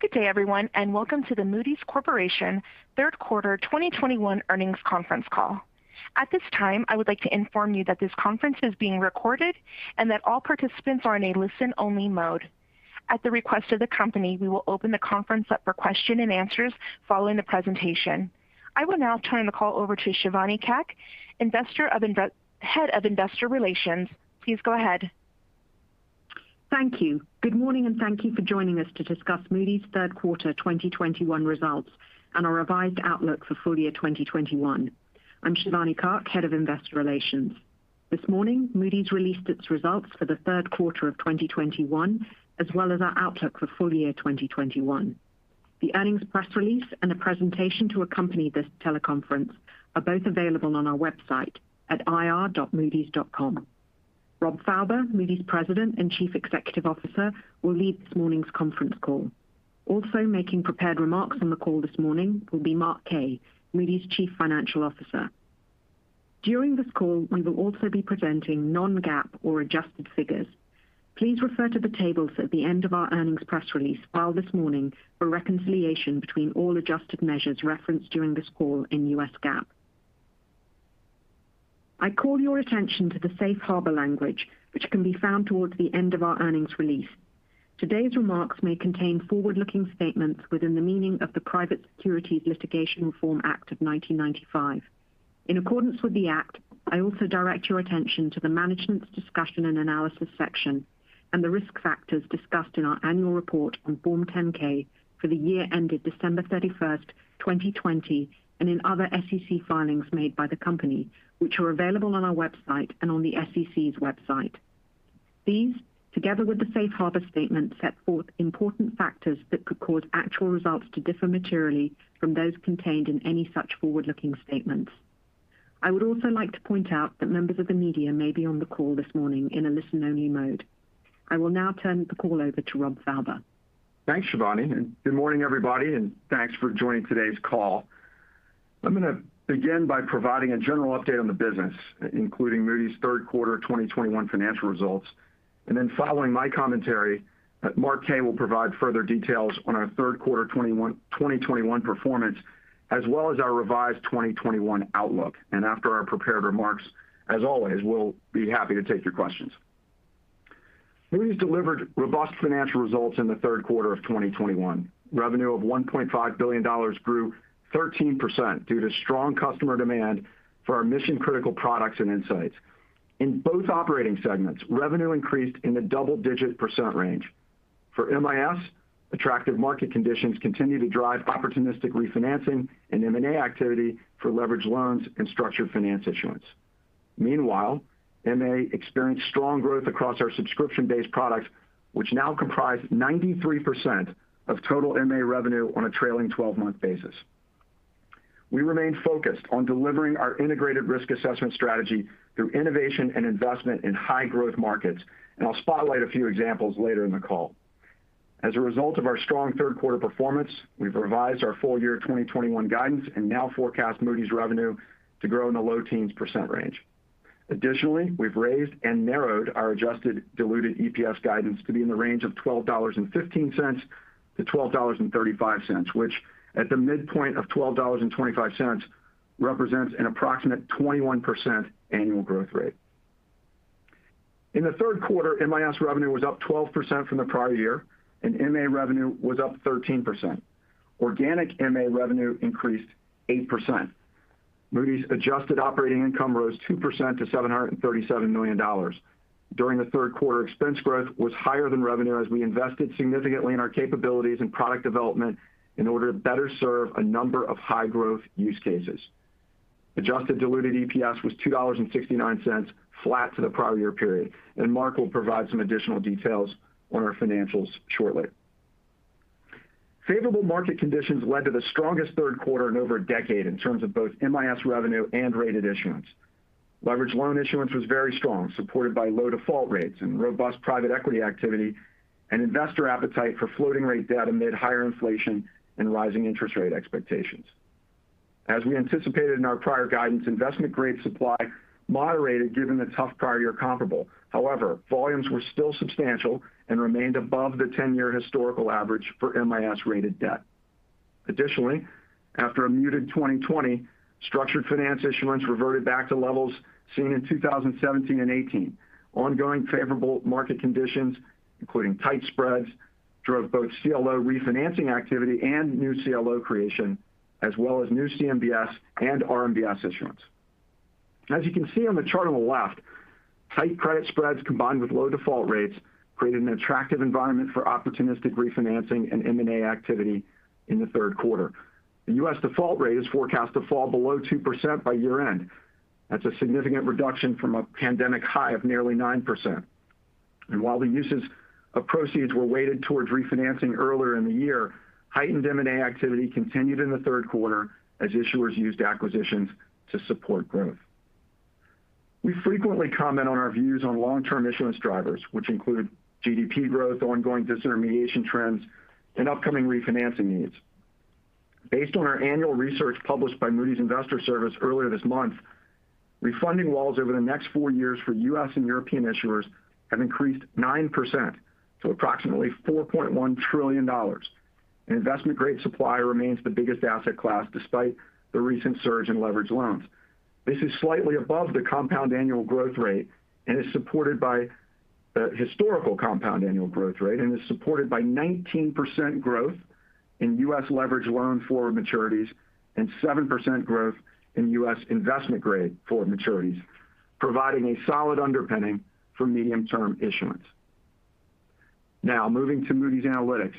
Good day everyone, and welcome to the Moody's Corporation's third quarter 2021 earnings conference call. At this time, I would like to inform you that this conference is being recorded and that all participants are in a listen-only mode. At the request of the company, we will open the conference up for questions and answers following the presentation. I will now turn the call over to Shivani Kak, Head of Investor Relations. Please go ahead. Thank you. Good morning, and thank you for joining us to discuss Moody's third quarter 2021 results and our revised outlook for full year 2021. I'm Shivani Kak, Head of Investor Relations. This morning, Moody's released its results for the third quarter of 2021, as well as our outlook for full year 2021. The earnings press release and a presentation to accompany this teleconference are both available on our website at ir.moodys.com. Rob Fauber, Moody's President and Chief Executive Officer, will lead this morning's conference call. Also making prepared remarks on the call this morning will be Mark Kaye, Moody's Chief Financial Officer. During this call, we will also be presenting non-GAAP or adjusted figures. Please refer to the tables at the end of our earnings press release filed this morning for reconciliation between all adjusted measures referenced during this call in U.S. GAAP. I call your attention to the safe harbor language, which can be found towards the end of our earnings release. Today's remarks may contain forward-looking statements within the meaning of the Private Securities Litigation Reform Act of 1995. In accordance with the act, I also direct your attention to the Management's Discussion and Analysis section and the risk factors discussed in our annual report on Form 10-K for the year ended December 31st, 2020, and in other SEC filings made by the company, which are available on our website and on the SEC's website. These, together with the safe harbor statement, set forth important factors that could cause actual results to differ materially from those contained in any such forward-looking statements. I would also like to point out that members of the media may be on the call this morning in a listen-only mode. I will now turn the call over to Rob Fauber. Thanks, Shivani, and good morning, everybody, and thanks for joining today's call. I'm going to begin by providing a general update on the business, including Moody's third quarter 2021 financial results. Following my commentary, Mark Kaye will provide further details on our third quarter 2021 performance, as well as our revised 2021 outlook. After our prepared remarks, as always, we'll be happy to take your questions. Moody's delivered robust financial results in the third quarter of 2021. Revenue of $1.5 billion grew 13% due to strong customer demand for our mission-critical products and insights. In both operating segments, revenue increased in the double-digit percent range. For MIS, attractive market conditions continue to drive opportunistic refinancing and M&A activity for leveraged loans and structured finance issuance. Meanwhile, MA experienced strong growth across our subscription-based products, which now comprise 93% of total MA revenue on a trailing 12-month basis. We remain focused on delivering our integrated risk assessment strategy through innovation and investment in high-growth markets, and I'll spotlight a few examples later in the call. As a result of our strong third quarter performance, we've revised our full year 2021 guidance and now forecast Moody's revenue to grow in the low teens percent range. Additionally, we've raised and narrowed our adjusted diluted EPS guidance to be in the range of $12.15-$12.35, which at the midpoint of $12.25 represents an approximate 21% annual growth rate. In the third quarter, MIS revenue was up 12% from the prior year, and MA revenue was up 13%. Organic MA revenue increased 8%. Moody's adjusted operating income rose 2% to $737 million. During the third quarter, expense growth was higher than revenue as we invested significantly in our capabilities and product development in order to better serve a number of high-growth use cases. Adjusted diluted EPS was $2.69, flat to the prior year period, and Mark will provide some additional details on our financials shortly. Favorable market conditions led to the strongest third quarter in over a decade in terms of both MIS revenue and rated issuance. Leveraged loan issuance was very strong, supported by low default rates and robust private equity activity and investor appetite for floating rate debt amid higher inflation and rising interest rate expectations. As we anticipated in our prior guidance, investment-grade supply moderated given the tough prior year comparable. However, volumes were still substantial and remained above the 10-year historical average for MIS-rated debt. Additionally, after a muted 2020, structured finance issuance reverted back to levels seen in 2017 and 2018. Ongoing favorable market conditions, including tight spreads, drove both CLO refinancing activity and new CLO creation, as well as new CMBS and RMBS issuance. As you can see on the chart on the left, tight credit spreads combined with low default rates created an attractive environment for opportunistic refinancing and M&A activity in the third quarter. The U.S. default rate is forecast to fall below 2% by year-end. That's a significant reduction from a pandemic high of nearly 9%. While the uses of proceeds were weighted towards refinancing earlier in the year, heightened M&A activity continued in the third quarter as issuers used acquisitions to support growth. We frequently comment on our views on long-term issuance drivers, which include GDP growth, ongoing disintermediation trends, and upcoming refinancing needs. Based on our annual research published by Moody's Investors Service earlier this month, refunding walls over the next four years for U.S. and European issuers have increased 9% to approximately $4.1 trillion. Investment-grade supply remains the biggest asset class despite the recent surge in leveraged loans. This is slightly above the compound annual growth rate and is supported by nineteen percent growth in U.S. leveraged loan forward maturities and 7% growth in U.S. investment-grade forward maturities, providing a solid underpinning for medium-term issuance. Now moving to Moody's Analytics.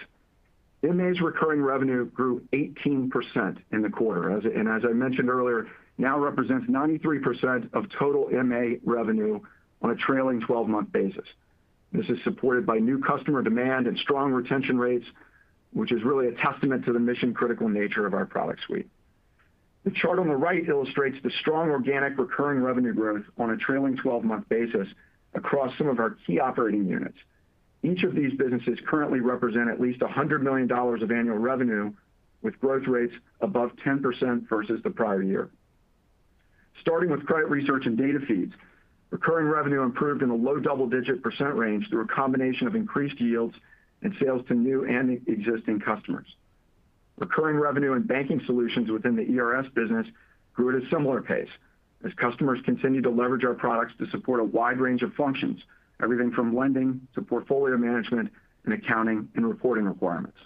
MA's recurring revenue grew 18% in the quarter. As I mentioned earlier, now represents 93% of total MA revenue on a trailing twelve-month basis. This is supported by new customer demand and strong retention rates, which is really a testament to the mission-critical nature of our product suite. The chart on the right illustrates the strong organic recurring revenue growth on a trailing 12-month basis across some of our key operating units. Each of these businesses currently represent at least $100 million of annual revenue, with growth rates above 10% versus the prior year. Starting with credit research and data feeds, recurring revenue improved in the low double-digit percent range through a combination of increased yields and sales to new and existing customers. Recurring revenue and banking solutions within the ERS business grew at a similar pace as customers continued to leverage our products to support a wide range of functions, everything from lending to portfolio management and accounting and reporting requirements.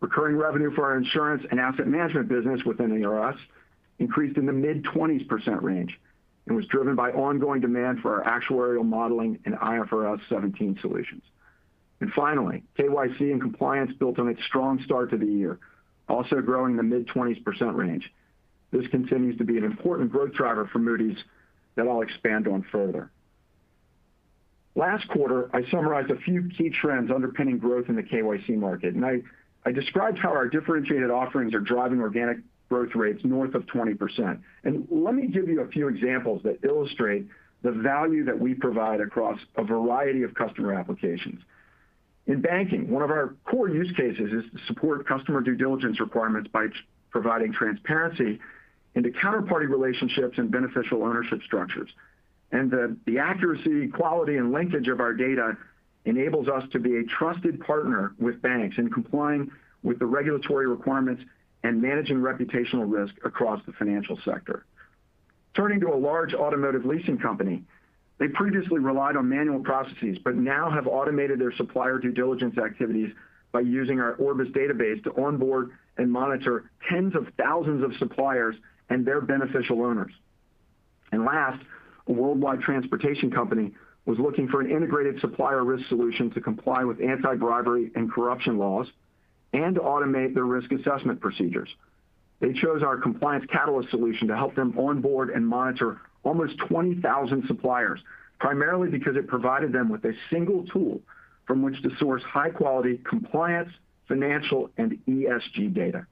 Recurring revenue for our insurance and asset management business within ERS increased in the mid-20s percent range and was driven by ongoing demand for our actuarial modeling and IFRS 17 solutions. Finally, KYC and compliance built on its strong start to the year, also growing in the mid-20s percent range. This continues to be an important growth driver for Moody's that I'll expand on further. Last quarter, I summarized a few key trends underpinning growth in the KYC market, and I described how our differentiated offerings are driving organic growth rates north of 20%. Let me give you a few examples that illustrate the value that we provide across a variety of customer applications. In banking, one of our core use cases is to support customer due diligence requirements by providing transparency into counterparty relationships and beneficial ownership structures. The accuracy, quality, and linkage of our data enables us to be a trusted partner with banks in complying with the regulatory requirements and managing reputational risk across the financial sector. Turning to a large automotive leasing company, they previously relied on manual processes, but now have automated their supplier due diligence activities by using our Orbis database to onboard and monitor tens of thousands of suppliers and their beneficial owners. Last, a worldwide transportation company was looking for an integrated supplier risk solution to comply with anti-bribery and corruption laws and to automate their risk assessment procedures. They chose our Compliance Catalyst solution to help them onboard and monitor almost 20,000 suppliers, primarily because it provided them with a single tool from which to source high quality compliance, financial, and ESG data.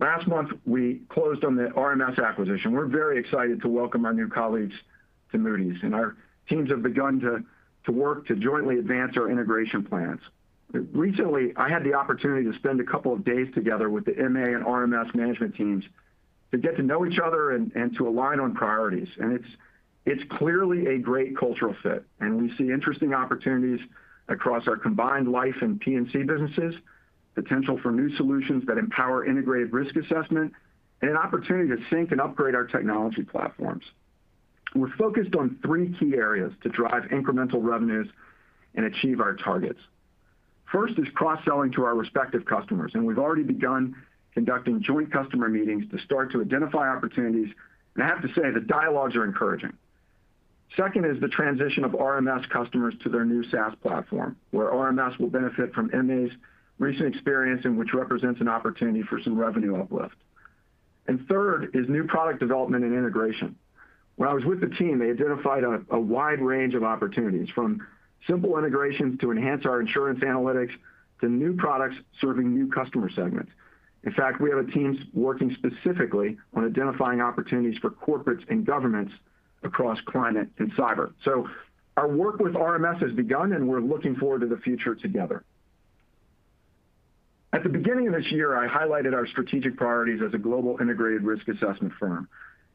Last month, we closed on the RMS acquisition. We're very excited to welcome our new colleagues to Moody's, and our teams have begun to work to jointly advance our integration plans. Recently, I had the opportunity to spend a couple of days together with the MA and RMS management teams to get to know each other and to align on priorities. It's clearly a great cultural fit, and we see interesting opportunities across our combined life and P&C businesses, potential for new solutions that empower integrated risk assessment, and an opportunity to sync and upgrade our technology platforms. We're focused on three key areas to drive incremental revenues and achieve our targets. First is cross-selling to our respective customers, and we've already begun conducting joint customer meetings to start to identify opportunities. I have to say, the dialogues are encouraging. Second is the transition of RMS customers to their new SaaS platform, where RMS will benefit from MA's recent experience and which represents an opportunity for some revenue uplift. Third is new product development and integration. When I was with the team, they identified a wide range of opportunities from simple integrations to enhance our insurance analytics to new products serving new customer segments. In fact, we have teams working specifically on identifying opportunities for corporates and governments across climate and cyber. Our work with RMS has begun, and we're looking forward to the future together. At the beginning of this year, I highlighted our strategic priorities as a global integrated risk assessment firm.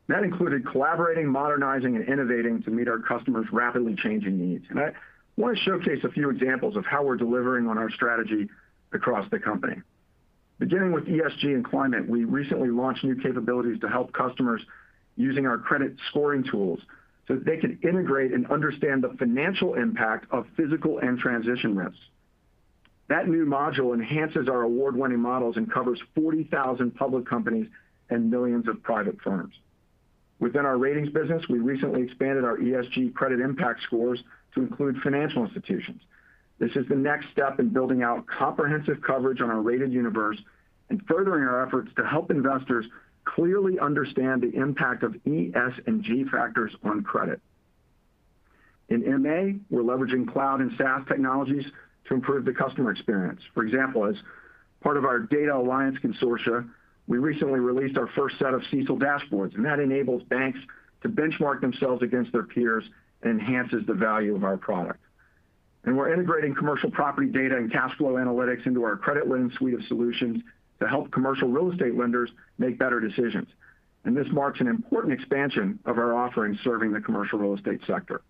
That included collaborating, modernizing, and innovating to meet our customers' rapidly changing needs. I want to showcase a few examples of how we're delivering on our strategy across the company. Beginning with ESG and climate, we recently launched new capabilities to help customers using our credit scoring tools so that they can integrate and understand the financial impact of physical and transition risks. That new module enhances our award-winning models and covers 40,000 public companies and millions of private firms. Within our ratings business, we recently expanded our ESG credit impact scores to include financial institutions. This is the next step in building out comprehensive coverage on our rated universe and furthering our efforts to help investors clearly understand the impact of E, S, and G factors on credit. In MA, we're leveraging cloud and SaaS technologies to improve the customer experience. For example, as part of our Data Alliance Consortia, we recently released our first set of CECL dashboards, and that enables banks to benchmark themselves against their peers and enhances the value of our product. We're integrating commercial property data and cash flow analytics into our CreditLens suite of solutions to help commercial real estate lenders make better decisions. This marks an important expansion of our offerings serving the commercial real estate sector.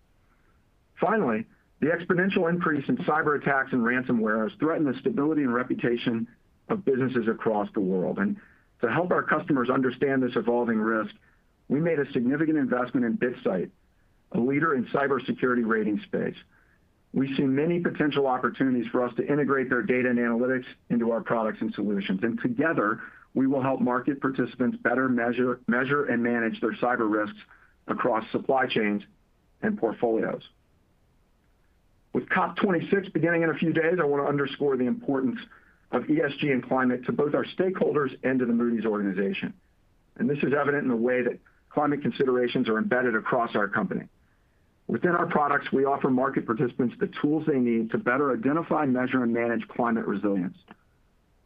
Finally, the exponential increase in cyberattacks and ransomware has threatened the stability and reputation of businesses across the world. To help our customers understand this evolving risk, we made a significant investment in BitSight, a leader in cybersecurity ratings space. We see many potential opportunities for us to integrate their data and analytics into our products and solutions. Together, we will help market participants better measure and manage their cyber risks across supply chains and portfolios. With COP26 beginning in a few days, I want to underscore the importance of ESG and climate to both our stakeholders and to the Moody's organization. This is evident in the way that climate considerations are embedded across our company. Within our products, we offer market participants the tools they need to better identify, measure, and manage climate resilience.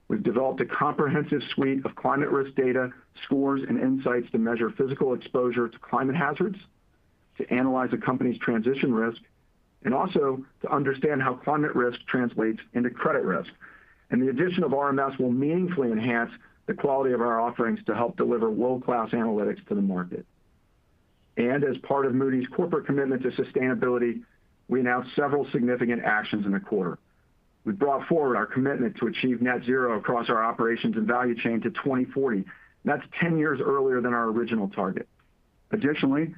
We've developed a comprehensive suite of climate risk data, scores, and insights to measure physical exposure to climate hazards, to analyze a company's transition risk, and also to understand how climate risk translates into credit risk. The addition of RMS will meaningfully enhance the quality of our offerings to help deliver world-class analytics to the market. As part of Moody's corporate commitment to sustainability, we announced several significant actions in the quarter. We brought forward our commitment to achieve net zero across our operations and value chain to 2040. That's 10 years earlier than our original target. Additionally,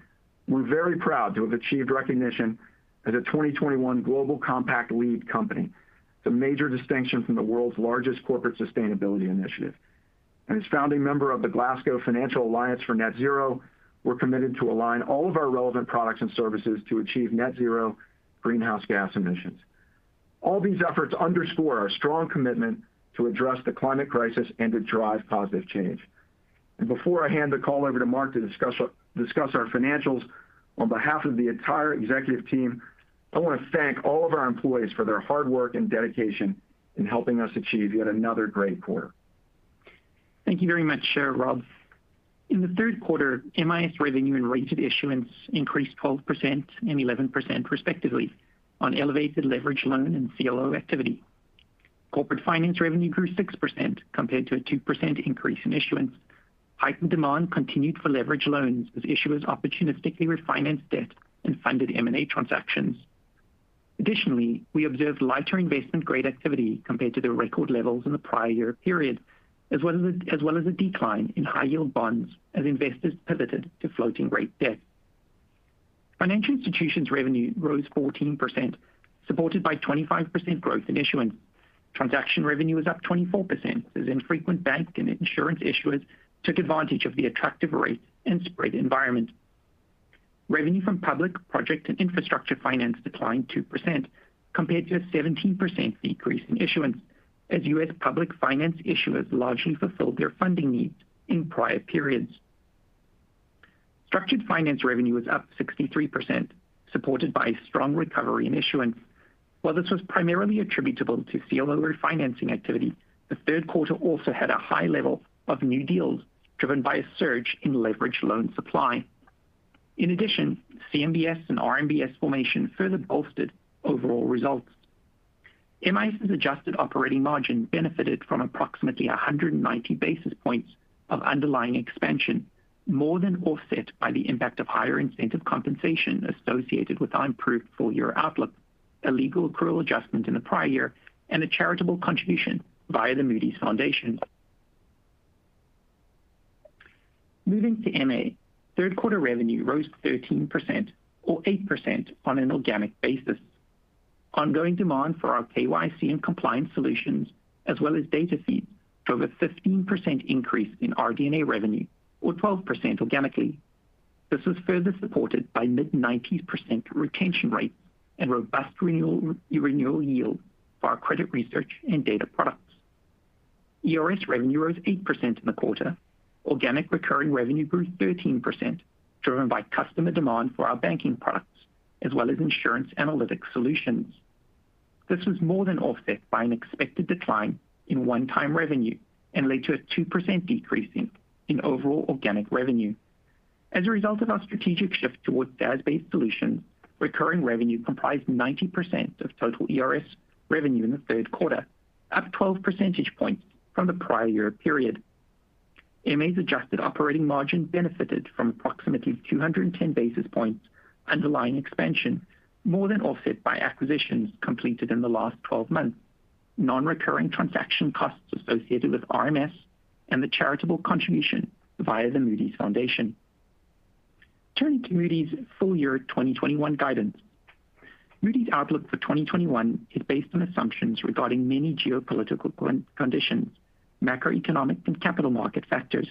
we're very proud to have achieved recognition as a 2021 Global Compact LEAD company. It's a major distinction from the world's largest corporate sustainability initiative. As founding member of the Glasgow Financial Alliance for Net Zero, we're committed to align all of our relevant products and services to achieve net zero greenhouse gas emissions. All these efforts underscore our strong commitment to address the climate crisis and to drive positive change. Before I hand the call over to Mark to discuss our financials, on behalf of the entire executive team, I want to thank all of our employees for their hard work and dedication in helping us achieve yet another great quarter. Thank you very much, Chair Rob. In the third quarter, MIS revenue and rated issuance increased 12% and 11% respectively on elevated leveraged loan and CLO activity. Corporate finance revenue grew 6% compared to a 2% increase in issuance. Heightened demand continued for leveraged loans as issuers opportunistically refinanced debt and funded M&A transactions. Additionally, we observed lighter investment-grade activity compared to the record levels in the prior year period, as well as a decline in high-yield bonds as investors pivoted to floating-rate debt. Financial institutions revenue rose 14%, supported by 25% growth in issuance. Transaction revenue was up 24%, as infrequent bank and insurance issuers took advantage of the attractive rates and spread environment. Revenue from public project and infrastructure finance declined 2% compared to a 17% decrease in issuance as U.S. public finance issuers largely fulfilled their funding needs in prior periods. Structured finance revenue was up 63%, supported by strong recovery in issuance. While this was primarily attributable to CLO refinancing activity, the third quarter also had a high level of new deals driven by a surge in leveraged loan supply. In addition, CMBS and RMBS formation further bolstered overall results. MIS' adjusted operating margin benefited from approximately 190 basis points of underlying expansion, more than offset by the impact of higher incentive compensation associated with improved full-year outlook, a legal accrual adjustment in the prior year, and a charitable contribution via the Moody's Foundation. Moving to MA, third quarter revenue rose 13% or 8% on an organic basis. Ongoing demand for our KYC and compliance solutions, as well as data feeds, drove a 15% increase in RD&A revenue or 12% organically. This was further supported by mid-90% retention rates and robust renewal yield for our credit research and data products. ERS revenue rose 8% in the quarter. Organic recurring revenue grew 13%, driven by customer demand for our banking products as well as insurance analytics solutions. This was more than offset by an expected decline in one-time revenue and led to a 2% decrease in overall organic revenue. As a result of our strategic shift towards SaaS-based solutions, recurring revenue comprised 90% of total ERS revenue in the third quarter, up 12 percentage points from the prior year period. MA's adjusted operating margin benefited from approximately 210 basis points underlying expansion, more than offset by acquisitions completed in the last 12 months, non-recurring transaction costs associated with RMS, and the charitable contribution via the Moody's Foundation. Turning to Moody's full year 2021 guidance. Moody's outlook for 2021 is based on assumptions regarding many geopolitical conditions, macroeconomic, and capital market factors.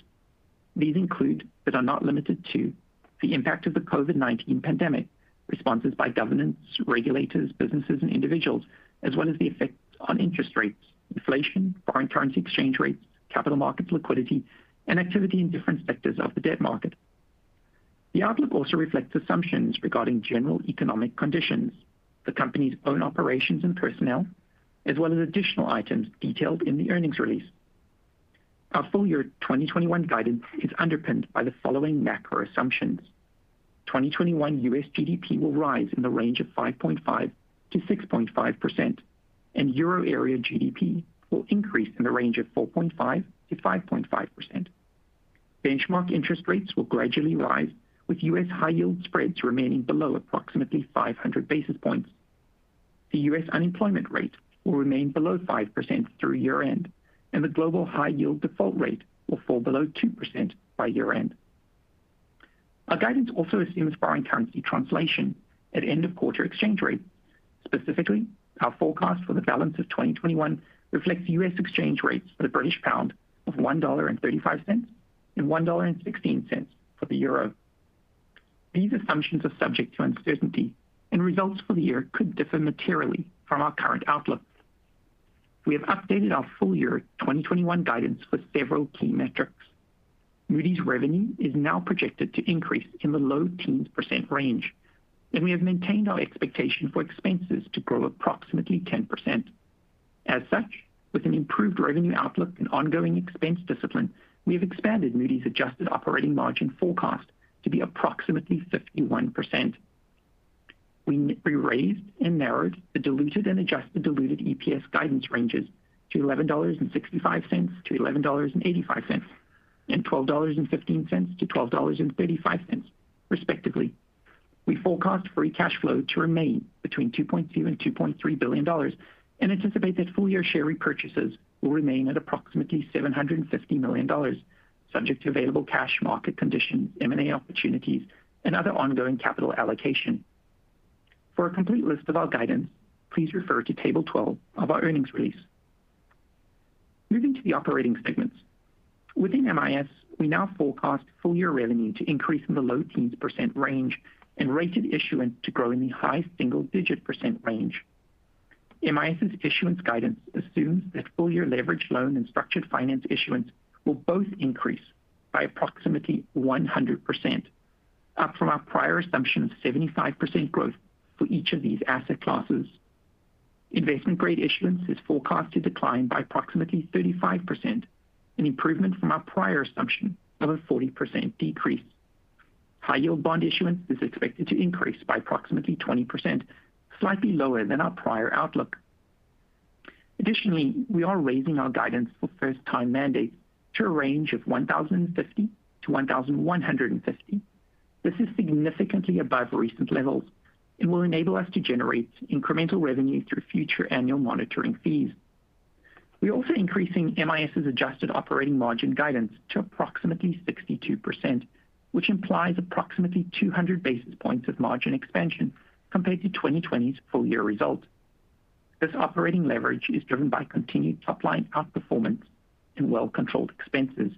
These include, but are not limited to, the impact of the COVID-19 pandemic, responses by governments, regulators, businesses, and individuals, as well as the effects on interest rates, inflation, foreign currency exchange rates, capital market liquidity, and activity in different sectors of the debt market. The outlook also reflects assumptions regarding general economic conditions, the company's own operations and personnel, as well as additional items detailed in the earnings release. Our full year 2021 guidance is underpinned by the following macro assumptions. 2021 U.S. GDP will rise in the range of 5.5%-6.5%, and euro area GDP will increase in the range of 4.5%-5.5%. Benchmark interest rates will gradually rise, with U.S. high yield spreads remaining below approximately 500 basis points. The U.S. unemployment rate will remain below 5% through year-end, and the global high yield default rate will fall below 2% by year-end. Our guidance also assumes foreign currency translation at end of quarter exchange rate. Specifically, our forecast for the balance of 2021 reflects U.S. exchange rates for the British pound of $1.35, and $1.16 for the euro. These assumptions are subject to uncertainty, and results for the year could differ materially from our current outlook. We have updated our full-year 2021 guidance for several key metrics. Moody's revenue is now projected to increase in the low teens percent range, and we have maintained our expectation for expenses to grow approximately 10%. As such, with an improved revenue outlook and ongoing expense discipline, we have expanded Moody's adjusted operating margin forecast to be approximately 51%. We raised and narrowed the diluted and adjusted diluted EPS guidance ranges to $11.65-$11.85, and $12.15-$12.35, respectively. We forecast free cash flow to remain between $2.2 billion and $2.3 billion, and anticipate that full-year share repurchases will remain at approximately $750 million, subject to available cash, market conditions, MA opportunities, and other ongoing capital allocation. For a complete list of our guidance, please refer to table 12 of our earnings release. Moving to the operating segments. Within MIS, we now forecast full year revenue to increase in the low teens percent range and rated issuance to grow in the high single-digit percent range. MIS's issuance guidance assumes that full year leveraged loan and structured finance issuance will both increase by approximately 100%, up from our prior assumption of 75% growth for each of these asset classes. Investment-grade issuance is forecast to decline by approximately 35%, an improvement from our prior assumption of a 40% decrease. High-yield bond issuance is expected to increase by approximately 20%, slightly lower than our prior outlook. Additionally, we are raising our guidance for first-time mandates to a range of 1,050-1,150. This is significantly above recent levels and will enable us to generate incremental revenue through future annual monitoring fees. We're also increasing MIS's adjusted operating margin guidance to approximately 62%, which implies approximately 200 basis points of margin expansion compared to 2020's full year results. This operating leverage is driven by continued top-line outperformance and well-controlled expenses.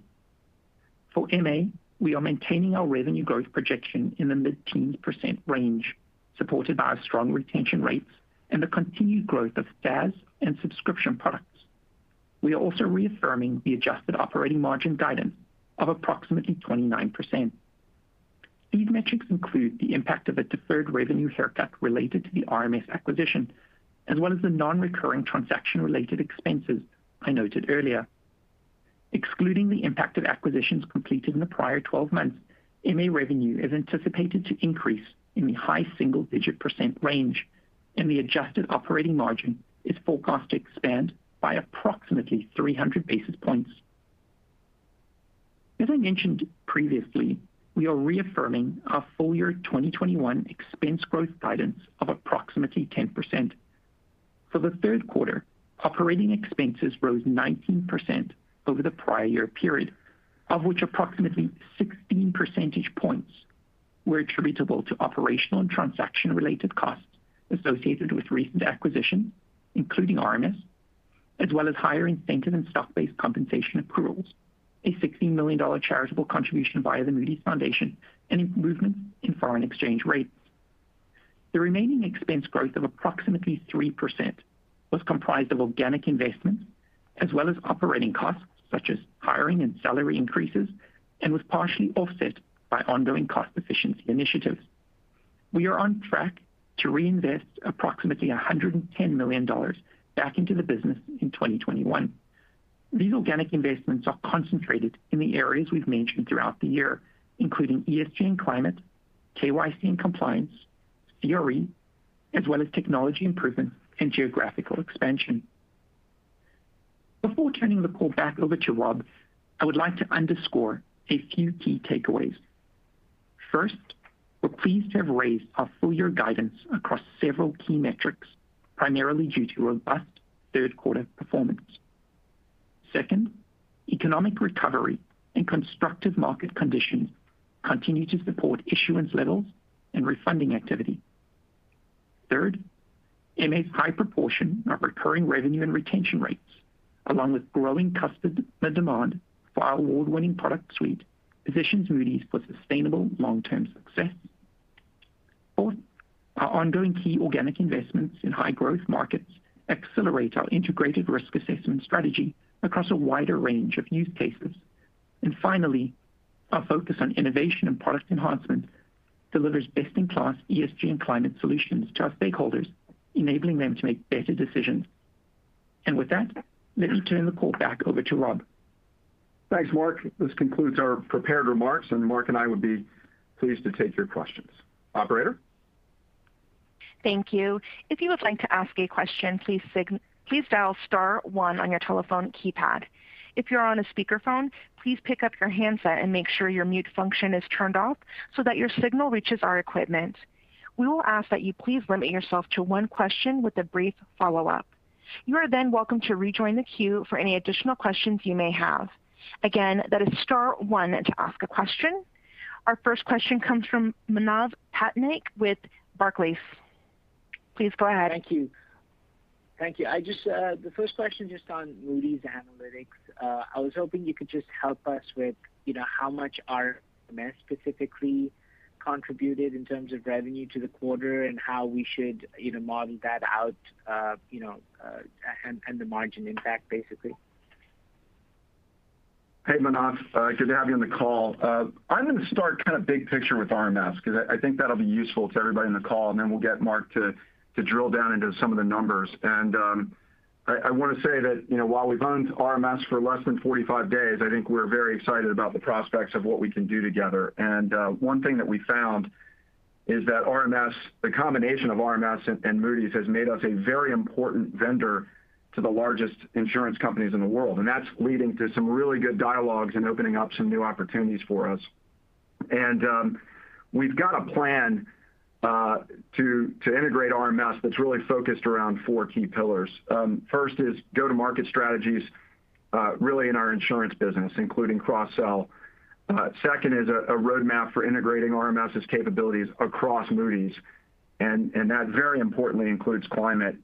For MA, we are maintaining our revenue growth projection in the mid-teens percent range, supported by our strong retention rates and the continued growth of SaaS and subscription products. We are also reaffirming the adjusted operating margin guidance of approximately 29%. These metrics include the impact of a deferred revenue haircut related to the RMS acquisition, as well as the non-recurring transaction-related expenses I noted earlier. Excluding the impact of acquisitions completed in the prior 12 months, MA revenue is anticipated to increase in the high single-digit percent range, and the adjusted operating margin is forecast to expand by approximately 300 basis points. As I mentioned previously, we are reaffirming our full year 2021 expense growth guidance of approximately 10%. For the third quarter, operating expenses rose 19% over the prior year period, of which approximately 16 percentage points were attributable to operational and transaction-related costs associated with recent acquisitions, including RMS, as well as higher incentive and stock-based compensation accruals, a $60 million charitable contribution via the Moody's Foundation, and improvements in foreign exchange rates. The remaining expense growth of approximately 3% was comprised of organic investments as well as operating costs such as hiring and salary increases, and was partially offset by ongoing cost efficiency initiatives. We are on track to reinvest approximately $110 million back into the business in 2021. These organic investments are concentrated in the areas we've mentioned throughout the year, including ESG and climate, KYC and compliance, CRE, as well as technology improvements and geographical expansion. Before turning the call back over to Rob, I would like to underscore a few key takeaways. First, we're pleased to have raised our full year guidance across several key metrics, primarily due to robust third quarter performance. Second, economic recovery and constructive market conditions continue to support issuance levels and refunding activity. Third, MA's high proportion of recurring revenue and retention rates, along with growing customer demand for our award-winning product suite, positions Moody's for sustainable long-term success. Fourth, our ongoing key organic investments in high growth markets accelerate our integrated risk assessment strategy across a wider range of use cases. Finally, our focus on innovation and product enhancement delivers best-in-class ESG and climate solutions to our stakeholders, enabling them to make better decisions. With that, let me turn the call back over to Rob. Thanks, Mark. This concludes our prepared remarks, and Mark and I would be pleased to take your questions. Operator. Thank you. If you would like to ask a question, please dial star-one on your telephone keypad. If you're on a speakerphone, please pick up your handset and make sure your mute function is turned off so that your signal reaches our equipment. We will ask that you please limit yourself to one question with a brief follow-up. You are then welcome to rejoin the queue for any additional questions you may have. Again, that is star-one to ask a question. Our first question comes from Manav Patnaik with Barclays. Please go ahead. Thank you. The first question is just on Moody's Analytics. I was hoping you could just help us with, you know, how much RMS specifically contributed in terms of revenue to the quarter and how we should, you know, model that out, and the margin impact, basically. Hey, Manav. Good to have you on the call. I'm going to start kind of big picture with RMS because I think that'll be useful to everybody on the call, and then we'll get Mark to drill down into some of the numbers. I want to say that, you know, while we've owned RMS for less than 45 days, I think we're very excited about the prospects of what we can do together. One thing that we found is that the combination of RMS and Moody's has made us a very important vendor to the largest insurance companies in the world, and that's leading to some really good dialogues and opening up some new opportunities for us. We've got a plan to integrate RMS that's really focused around four key pillars. First is go-to-market strategies, really in our insurance business, including cross-sell. Second is a roadmap for integrating RMS's capabilities across Moody's, and that very importantly includes climate,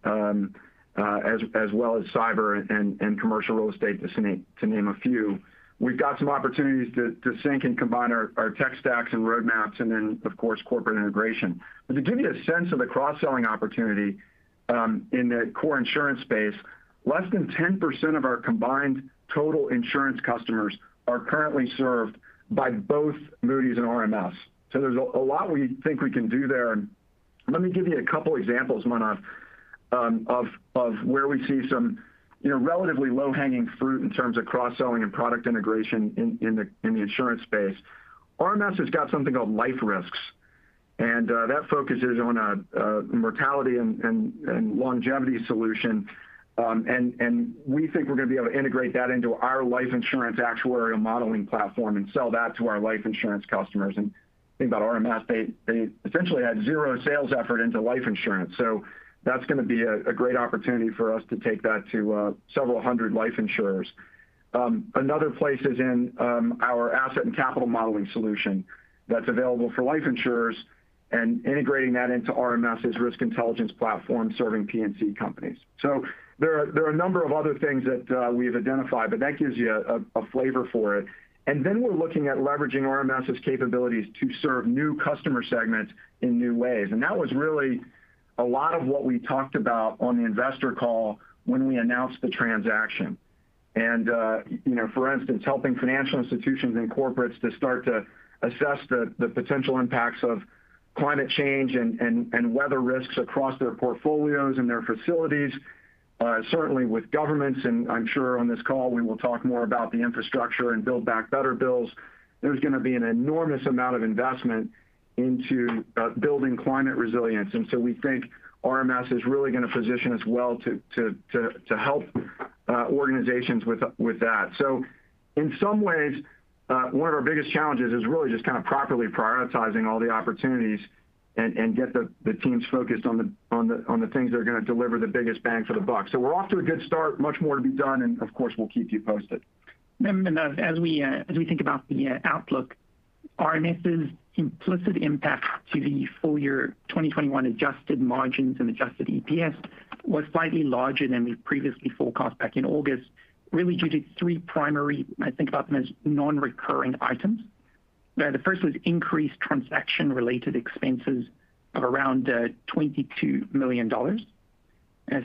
as well as cyber and commercial real estate to name a few. We've got some opportunities to sync and combine our tech stacks and roadmaps and then, of course, corporate integration. To give you a sense of the cross-selling opportunity, in the core insurance space, less than 10% of our combined total insurance customers are currently served by both Moody's and RMS. There's a lot we think we can do there. Let me give you a couple examples, Manav, of where we see some, you know, relatively low-hanging fruit in terms of cross-selling and product integration in the insurance space. RMS has got something called LifeRisks, and that focuses on mortality and longevity solution. We think we're going to be able to integrate that into our life insurance actuarial modeling platform and sell that to our life insurance customers. The thing about RMS, they essentially had zero sales effort into life insurance. That's going to be a great opportunity for us to take that to several hundred life insurers. Another place is in our asset and capital modeling solution that's available for life insurers and integrating that into RMS's risk intelligence platform serving P&C companies. There are a number of other things that we've identified, but that gives you a flavor for it. We're looking at leveraging RMS's capabilities to serve new customer segments in new ways. That was really a lot of what we talked about on the investor call when we announced the transaction. You know, for instance, helping financial institutions and corporates to start to assess the potential impacts of climate change and weather risks across their portfolios and their facilities. Certainly with governments, and I'm sure on this call, we will talk more about the infrastructure and Build Back Better bills. There's going to be an enormous amount of investment into building climate resilience. We think RMS is really going to position us well to help organizations with that. In some ways, one of our biggest challenges is really just kind of properly prioritizing all the opportunities and get the teams focused on the things that are going to deliver the biggest bang for the buck. We're off to a good start, much more to be done, and of course, we'll keep you posted. Manav, as we think about the outlook, RMS's implicit impact to the full year 2021 adjusted margins and adjusted EPS was slightly larger than we previously forecast back in August, really due to three primary, I think about them as non-recurring items. The first was increased transaction-related expenses of around $22 million.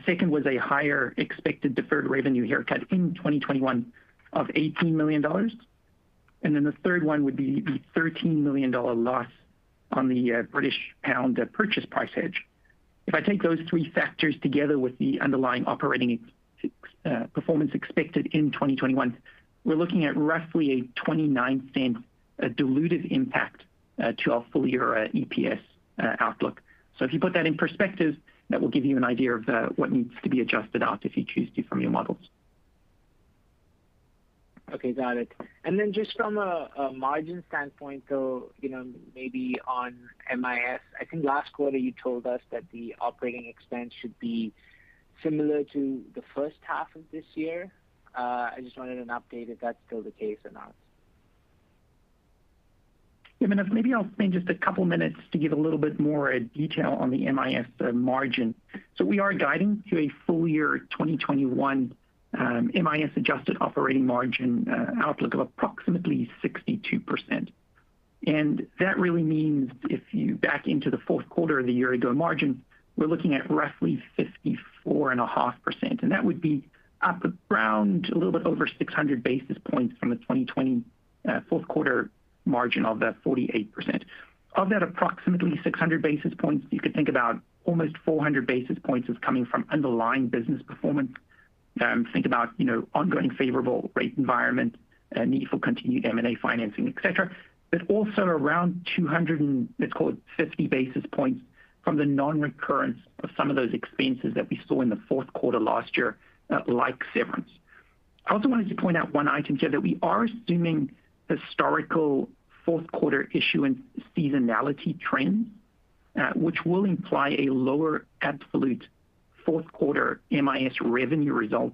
Second was a higher expected deferred revenue haircut in 2021 of $18 million. The third one would be the $13 million loss on the British pound purchase price hedge. If I take those three factors together with the underlying operating performance expected in 2021, we're looking at roughly a $0.29 diluted impact to our full-year EPS outlook. If you put that in perspective, that will give you an idea of what needs to be adjusted out if you choose to from your models. Okay. Got it. Just from a margin standpoint, though, you know, maybe on MIS, I think last quarter you told us that the operating expense should be similar to the first half of this year. I just wanted an update if that's still the case or not. Yeah. Manav, maybe I'll spend just a couple minutes to give a little bit more detail on the MIS margin. We are guiding to a full year 2021 MIS adjusted operating margin outlook of approximately 62%. That really means if you back into the fourth quarter of the year ago margin, we're looking at roughly 54.5%, and that would be up around a little bit over 600 basis points from the 2020 fourth quarter margin of the 48%. Of that approximately 600 basis points, you could think about almost 400 basis points is coming from underlying business performance. Think about, you know, ongoing favorable rate environment and need for continued M&A financing, etc. Also around 250 basis points from the non-recurrence of some of those expenses that we saw in the fourth quarter last year, like severance. I also wanted to point out one item here that we are assuming historical fourth quarter issuance seasonality trends, which will imply a lower absolute fourth quarter MIS revenue result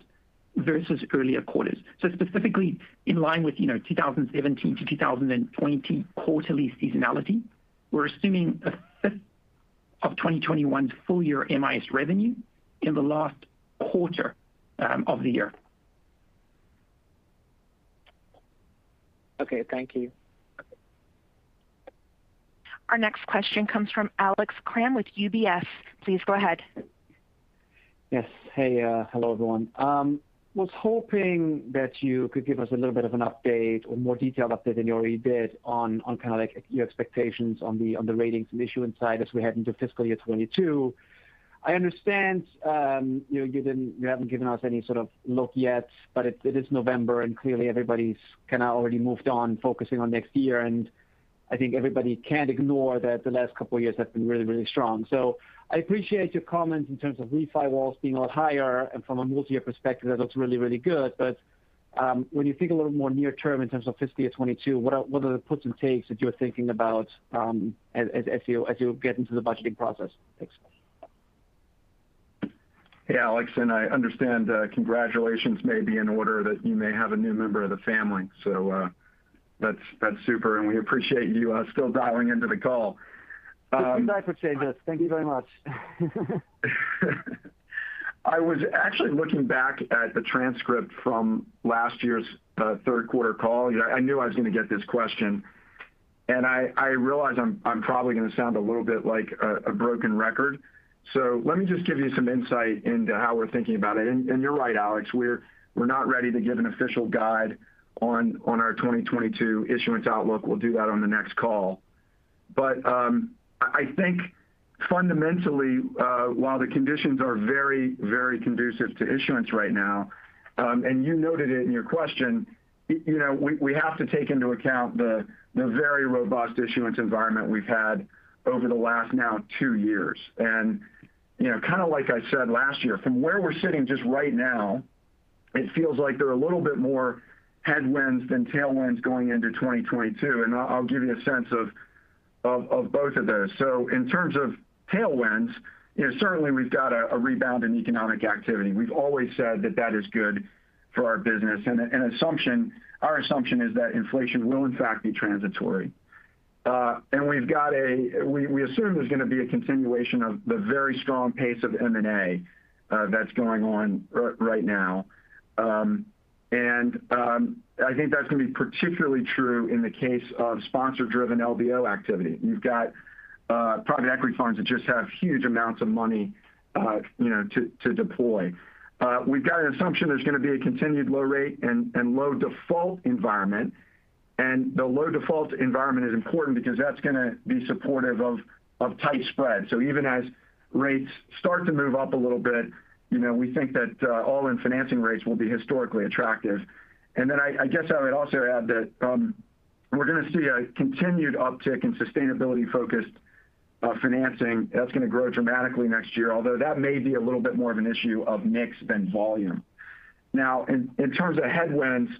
versus earlier quarters. Specifically in line with, you know, 2017-2020 quarterly seasonality, we're assuming 1/5 of 2021 full year MIS revenue in the last quarter of the year. Okay, thank you. Our next question comes from Alex Kramm with UBS. Please go ahead. Hello, everyone. I was hoping that you could give us a little bit of an update or more detailed update than you already did on kind of like your expectations on the ratings and issuance side as we head into fiscal year 2022. I understand you haven't given us any sort of look yet, but it is November, and clearly everybody's already moved on focusing on next year. I think everybody can't ignore that the last couple of years have been really, really strong. I appreciate your comments in terms of refi walls being a lot higher, and from a multi-year perspective, that looks really, really good. When you think a little more near-term in terms of fiscal year 2022, what are the puts and takes that you're thinking about, as you get into the budgeting process? Thanks. Yeah, Alex, I understand congratulations may be in order that you may have a new member of the family. That's super, and we appreciate you still dialing into the call. Just in time for saying this. Thank you very much. I was actually looking back at the transcript from last year's third quarter call. You know, I knew I was going to get this question, and I realize I'm probably going to sound a little bit like a broken record. Let me just give you some insight into how we're thinking about it. You're right, Alex, we're not ready to give an official guide on our 2022 issuance outlook. We'll do that on the next call. I think fundamentally, while the conditions are very, very conducive to issuance right now, and you noted it in your question, you know, we have to take into account the very robust issuance environment we've had over the last two years. You know, kind of like I said last year, from where we're sitting just right now, it feels like there are a little bit more headwinds than tailwinds going into 2022, and I'll give you a sense of both of those. In terms of tailwinds, you know, certainly we've got a rebound in economic activity. We've always said that is good for our business. Our assumption is that inflation will in fact be transitory. We assume there's going to be a continuation of the very strong pace of M&A that's going on right now. I think that's going to be particularly true in the case of sponsor driven LBO activity. You've got private equity funds that just have huge amounts of money, you know, to deploy. We've got an assumption there's going to be a continued low rate and low default environment. The low default environment is important because that's going to be supportive of tight spread. Even as rates start to move up a little bit, you know, we think that all-in financing rates will be historically attractive. Then I guess I would also add that we're going to see a continued uptick in sustainability-focused financing that's going to grow dramatically next year, although that may be a little bit more of an issue of mix than volume. Now, in terms of headwinds,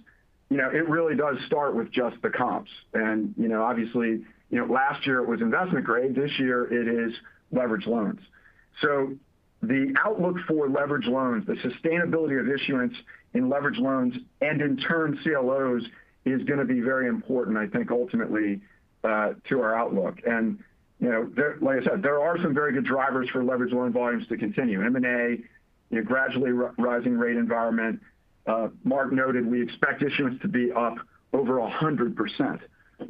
you know, it really does start with just the comps. Obviously, last year it was investment grade, this year it is leveraged loans. The outlook for leveraged loans, the sustainability of issuance in leveraged loans and in turn CLOs is going to be very important, I think, ultimately, to our outlook. Like I said, there are some very good drivers for leveraged loan volumes to continue M&A, you know, gradually rising rate environment. Mark noted we expect issuance to be up over 100%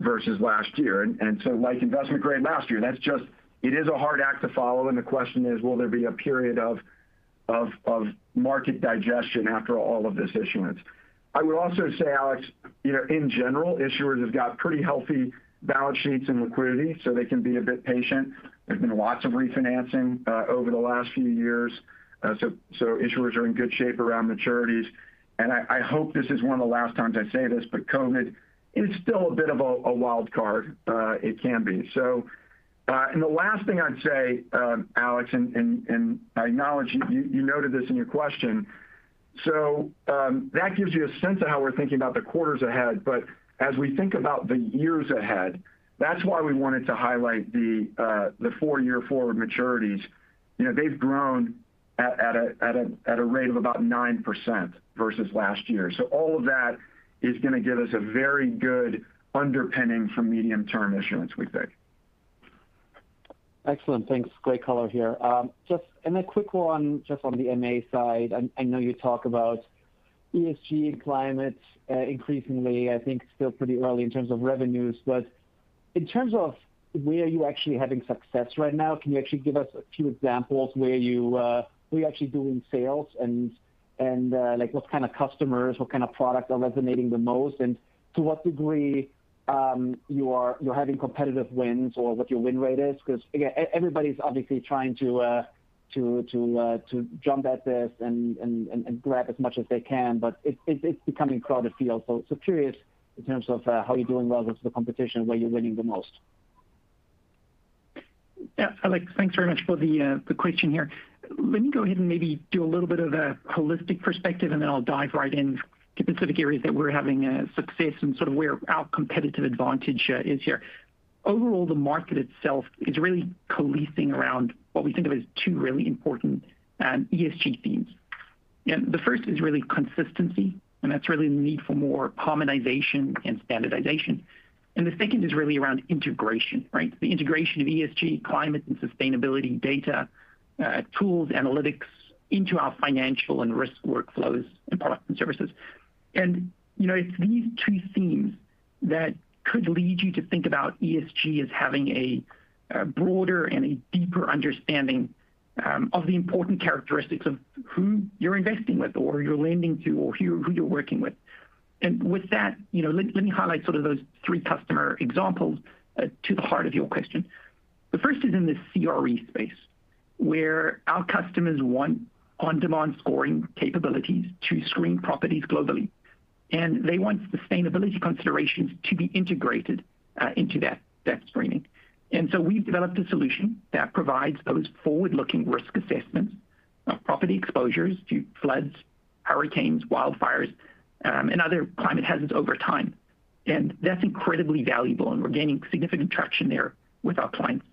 versus last year. Like investment grade last year, that's just it is a hard act to follow and the question is will there be a period of market digestion after all of this issuance. I would also say, Alex, you know, in general, issuers have got pretty healthy balance sheets and liquidity, so they can be a bit patient. There's been lots of refinancing over the last few years. Issuers are in good shape around maturities. I hope this is one of the last times I say this, but COVID is still a bit of a wild card. It can be. The last thing I'd say, Alex, I acknowledge you noted this in your question. That gives you a sense of how we're thinking about the quarters ahead. As we think about the years ahead, that's why we wanted to highlight the four-year forward maturities. You know, they've grown at a rate of about 9% versus last year. All of that is going to give us a very good underpinning for medium-term issuance, we think. Excellent. Thanks. Great color here. Just a quick one on the MA side. I know you talk about ESG and climate increasingly. I think still pretty early in terms of revenues. But in terms of where you're actually having success right now, can you actually give us a few examples where you're actually doing sales and like what kind of customers, what kind of products are resonating the most? And to what degree you're having competitive wins or what your win rate is? Because again, everybody's obviously trying to jump at this and grab as much as they can, but it's becoming a crowded field. So curious in terms of how you're doing well versus the competition, where you're winning the most. Yeah. Alex, thanks very much for the question here. Let me go ahead and maybe do a little bit of a holistic perspective, and then I'll dive right in to specific areas that we're having success and sort of where our competitive advantage is here. Overall, the market itself is really coalescing around what we think of as two really important ESG themes. The first is really consistency, and that's really the need for more harmonization and standardization. The second is really around integration, right? The integration of ESG climate and sustainability data, tools, analytics into our financial and risk workflows and products and services. You know, it's these two themes that could lead you to think about ESG as having a broader and a deeper understanding of the important characteristics of who you're investing with or you're lending to or who you're working with. With that, you know, let me highlight sort of those three customer examples to the heart of your question. The first is in the CRE space, where our customers want on-demand scoring capabilities to screen properties globally. They want sustainability considerations to be integrated into that screening. We've developed a solution that provides those forward-looking risk assessments of property exposures to floods, hurricanes, wildfires, and other climate hazards over time. That's incredibly valuable, and we're gaining significant traction there with our clients.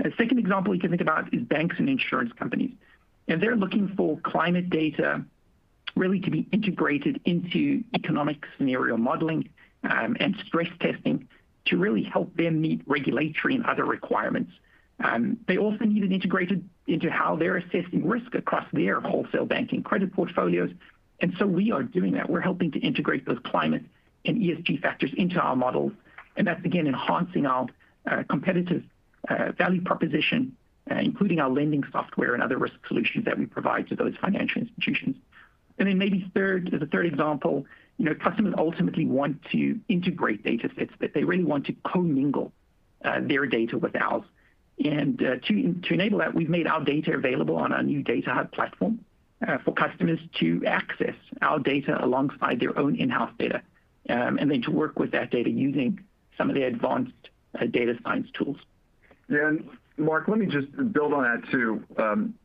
A second example you can think about is banks and insurance companies, and they're looking for climate data really to be integrated into economic scenario modeling, and stress testing to really help them meet regulatory and other requirements. They also need it integrated into how they're assessing risk across their wholesale banking credit portfolios. We are doing that. We're helping to integrate those climate and ESG factors into our models, and that's again enhancing our competitive value proposition, including our lending software and other risk solutions that we provide to those financial institutions. Maybe third, as a third example, you know, customers ultimately want to integrate datasets that they really want to commingle their data with ours. To enable that, we've made our data available on our new DataHub platform for customers to access our data alongside their own in-house data, and then to work with that data using some of the advanced data science tools. Mark, let me just build on that too.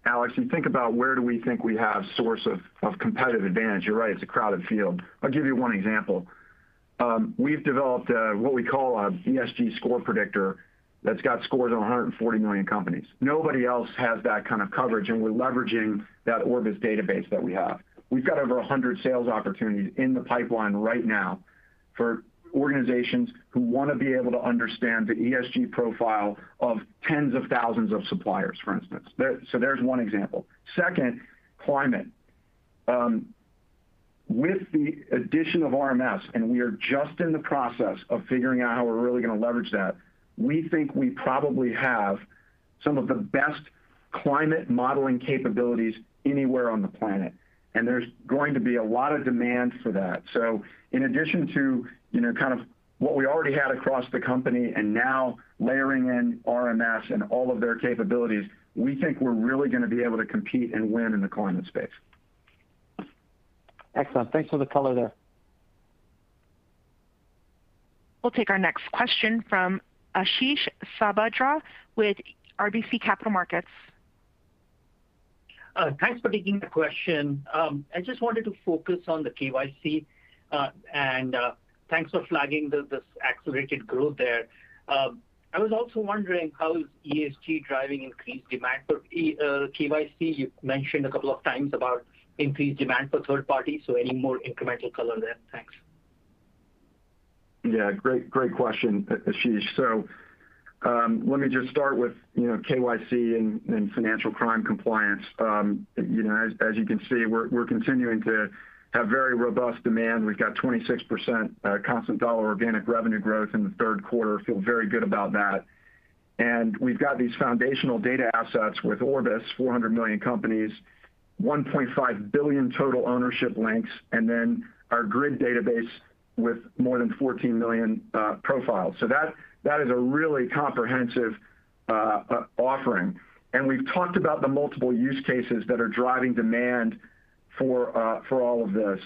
Alex, you think about where do we think we have source of competitive advantage. You're right, it's a crowded field. I'll give you one example. We've developed what we call an ESG score predictor that's got scores on 140 million companies. Nobody else has that kind of coverage, and we're leveraging that Orbis database that we have. We've got over 100 sales opportunities in the pipeline right now for organizations who want to be able to understand the ESG profile of tens of thousands of suppliers, for instance. So there's one example. Second, climate. With the addition of RMS, and we are just in the process of figuring out how we're really going to leverage that, we think we probably have some of the best climate modeling capabilities anywhere on the planet, and there's going to be a lot of demand for that. In addition to, you know, kind of what we already had across the company and now layering in RMS and all of their capabilities, we think we're really going to be able to compete and win in the climate space. Excellent. Thanks for the color there. We'll take our next question from Ashish Sabadra with RBC Capital Markets. Thanks for taking the question. I just wanted to focus on the KYC, and thanks for flagging this accelerated growth there. I was also wondering how is ESG driving increased demand for KYC. You've mentioned a couple of times about increased demand for third parties, so any more incremental color there? Thanks. Great question, Ashish. Let me just start with, you know, KYC and financial crime compliance. You know, as you can see, we're continuing to have very robust demand. We've got 26% constant dollar organic revenue growth in the third quarter. Feel very good about that. We've got these foundational data assets with Orbis, 400 million companies, 1.5 billion total ownership links, and then our Grid database with more than 14 million profiles. That is a really comprehensive offering. We've talked about the multiple use cases that are driving demand for all of this.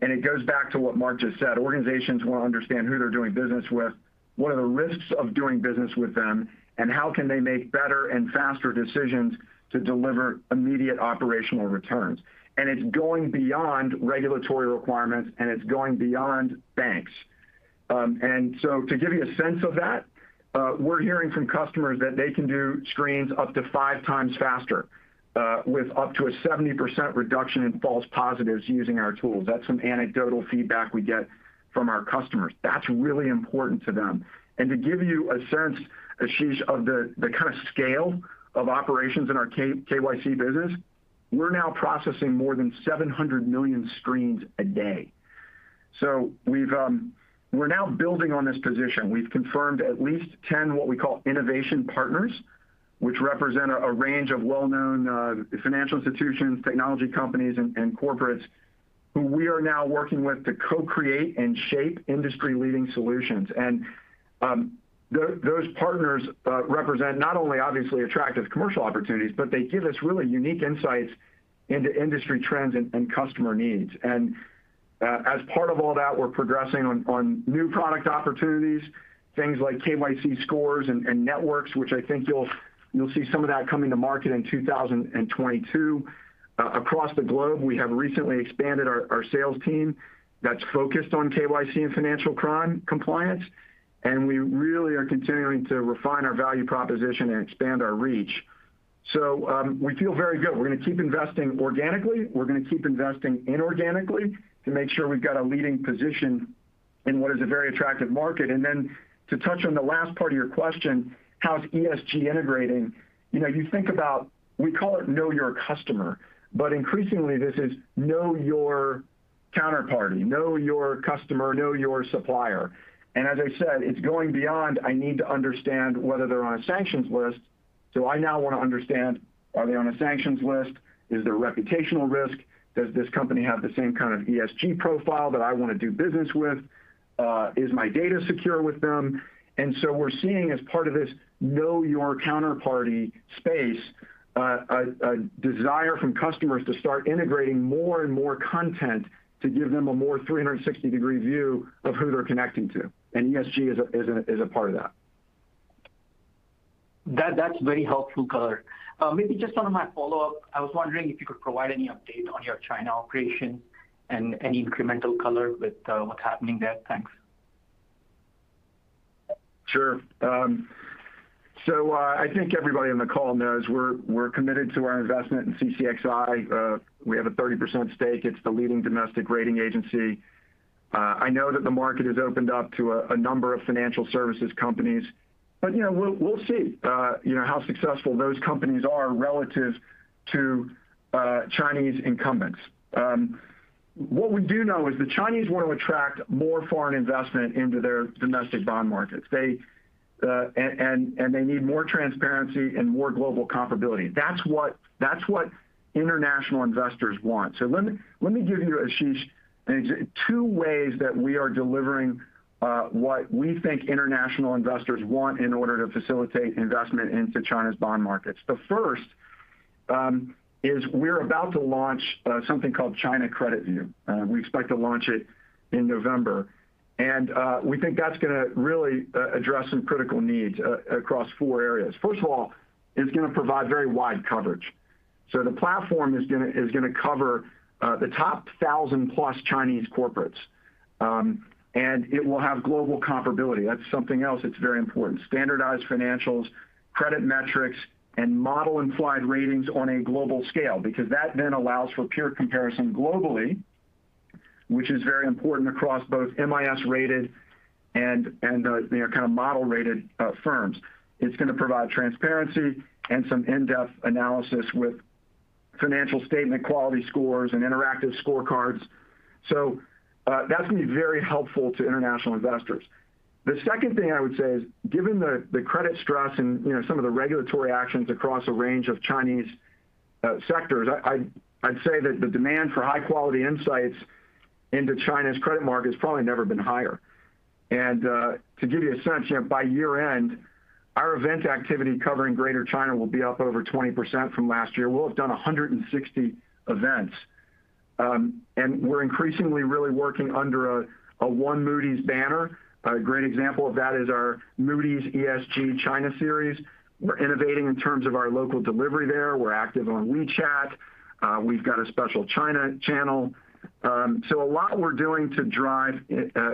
It goes back to what Mark just said. Organizations want to understand who they're doing business with, what are the risks of doing business with them, and how can they make better and faster decisions to deliver immediate operational returns. It's going beyond regulatory requirements, and it's going beyond banks. To give you a sense of that, we're hearing from customers that they can do screens up to 5x faster, with up to a 70% reduction in false positives using our tools. That's some anecdotal feedback we get from our customers. That's really important to them. To give you a sense, Ashish, of the kind of scale of operations in our KYC business. We're now processing more than 700 million screens a day. We're now building on this position. We've confirmed at least 10 what we call innovation partners, which represent a range of well-known financial institutions, technology companies and corporates who we are now working with to co-create and shape industry-leading solutions. Those partners represent not only obviously attractive commercial opportunities, but they give us really unique insights into industry trends and customer needs. As part of all that, we're progressing on new product opportunities, things like KYC scores and networks, which I think you'll see some of that coming to market in 2022. Across the globe, we have recently expanded our sales team that's focused on KYC and financial crime compliance, and we really are continuing to refine our value proposition and expand our reach. We feel very good. We're going to keep investing organically. We're going to keep investing inorganically to make sure we've got a leading position in what is a very attractive market. To touch on the last part of your question, how's ESG integrating? You know, you think about we call it know your customer, but increasingly this is know your counterparty, know your customer, know your supplier. As I said, it's going beyond I need to understand whether they're on a sanctions list. I now want to understand are they on a sanctions list? Is there reputational risk? Does this company have the same kind of ESG profile that I want to do business with? Is my data secure with them? We're seeing as part of this know your counterparty space, a desire from customers to start integrating more and more content to give them a more 360-degree view of who they're connecting to, and ESG is a part of that. That's very helpful color. Maybe just on my follow-up, I was wondering if you could provide any update on your China operation and any incremental color with what's happening there. Thanks. Sure. I think everybody on the call knows we're committed to our investment in CCXI. We have a 30% stake. It's the leading domestic rating agency. I know that the market has opened up to a number of financial services companies, but, you know, we'll see, you know, how successful those companies are relative to Chinese incumbents. What we do know is the Chinese want to attract more foreign investment into their domestic bond markets and they need more transparency and more global comparability. That's what international investors want. Let me give you, Ashish, two ways that we are delivering what we think international investors want in order to facilitate investment into China's bond markets. The first is we're about to launch something called China Credit View. We expect to launch it in November. We think that's going to really address some critical needs across four areas. First of all, it's going to provide very wide coverage. The platform is going to cover the top 1,000+ Chinese corporates, and it will have global comparability. That's something else that's very important. Standardized financials, credit metrics, and model-implied ratings on a global scale, because that then allows for peer comparison globally, which is very important across both MIS-rated and you know kind of model-rated firms. It's going to provide transparency and some in-depth analysis with financial statement quality scores and interactive scorecards. That's going to be very helpful to international investors. The second thing I would say is, given the credit stress and, you know, some of the regulatory actions across a range of Chinese sectors, I'd say that the demand for high-quality insights into China's credit market has probably never been higher. To give you a sense, you know, by year-end, our event activity covering Greater China will be up over 20% from last year. We'll have done 160 events. We're increasingly really working under a one Moody's banner. A great example of that is our Moody's ESG China series. We're innovating in terms of our local delivery there. We're active on WeChat. We've got a special China channel. So a lot we're doing to drive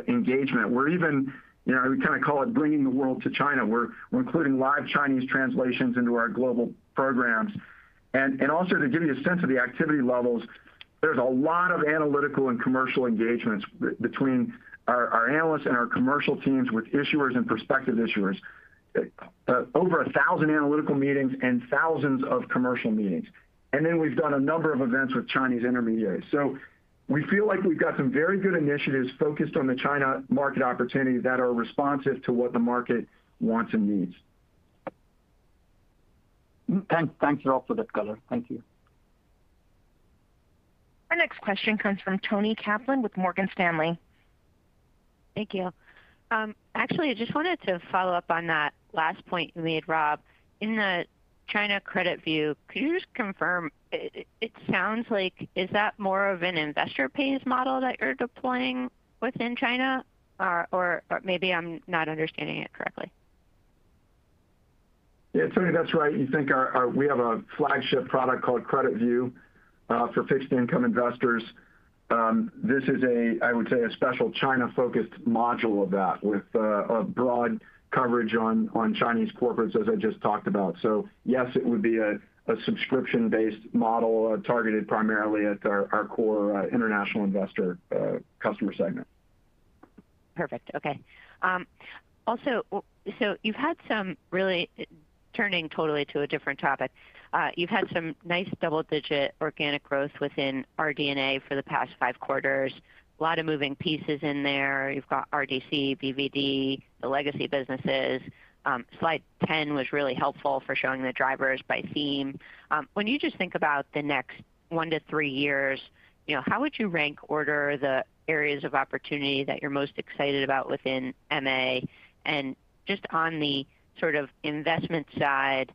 engagement. We're even, you know, we kind of call it bringing the world to China. We're including live Chinese translations into our global programs. Also, to give you a sense of the activity levels, there's a lot of analytical and commercial engagements between our analysts and our commercial teams with issuers and prospective issuers. Over 1,000 analytical meetings and thousands of commercial meetings. Then we've done a number of events with Chinese intermediaries. We feel like we've got some very good initiatives focused on the China market opportunity that are responsive to what the market wants and needs. Thanks. Thanks a lot for that color. Thank you. Our next question comes from Toni Kaplan with Morgan Stanley. Thank you. Actually, I just wanted to follow up on that last point you made, Rob. In the China Credit View, could you just confirm, it sounds like is that more of an investor pays model that you're deploying within China or maybe I'm not understanding it correctly? Yeah, Toni, that's right. We have a flagship product called CreditView for fixed income investors. This is a special China-focused module of that with a broad coverage on Chinese corporates, as I just talked about. Yes, it would be a subscription-based model targeted primarily at our core international investor customer segment. Perfect. Okay. Turning totally to a different topic, you've had some nice double-digit organic growth within RD&A for the past five quarters. A lot of moving pieces in there. You've got RDC, BVD, the legacy businesses. Slide 10 was really helpful for showing the drivers by theme. When you just think about the next one to three years, you know, how would you rank order the areas of opportunity that you're most excited about within MA? Just on the sort of investment side,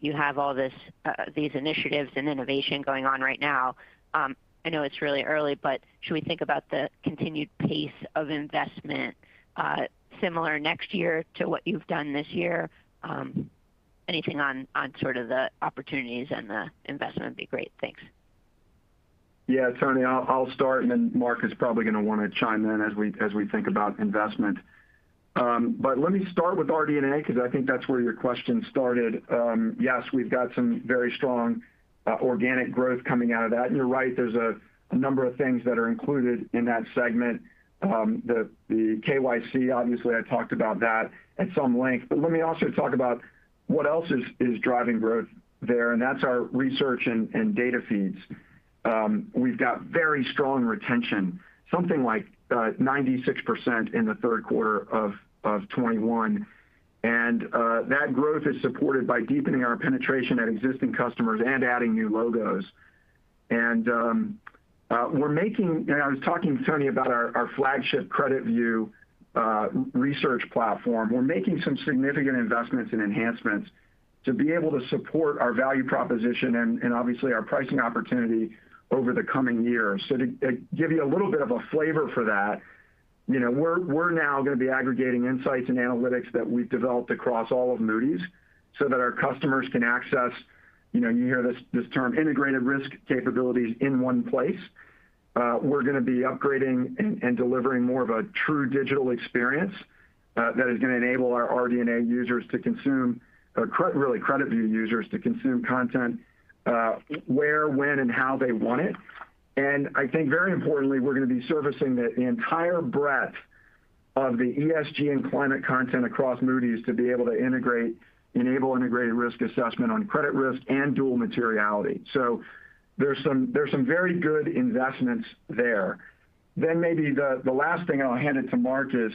you have all these initiatives and innovation going on right now. I know it's really early, but should we think about the continued pace of investment, similar next year to what you've done this year? Anything on sort of the opportunities and the investment would be great. Thanks. Yeah. Toni, I'll start, and then Mark is probably going to want to chime in as we think about investment. Let me start with RD&A because I think that's where your question started. Yes, we've got some very strong organic growth coming out of that. You're right, there's a number of things that are included in that segment. The KYC, obviously I talked about that at some length. Let me also talk about what else is driving growth there, and that's our research and data feeds. We've got very strong retention, something like 96% in the third quarter of 2021. That growth is supported by deepening our penetration at existing customers and adding new logos. I was talking to Toni about our flagship CreditView research platform. We're making some significant investments and enhancements to be able to support our value proposition and obviously our pricing opportunity over the coming years. To give you a little bit of a flavor for that, you know, we're now going to be aggregating insights and analytics that we've developed across all of Moody's so that our customers can access, you know, you hear this term integrated risk capabilities in one place. We're going to be upgrading and delivering more of a true digital experience that is going to enable our RD&A users to consume, or really CreditView users to consume content where, when, and how they want it. I think very importantly, we're going to be servicing the entire breadth of the ESG and climate content across Moody's to be able to enable integrated risk assessment on credit risk and dual materiality. There's some very good investments there. Maybe the last thing I'll hand it to Mark is,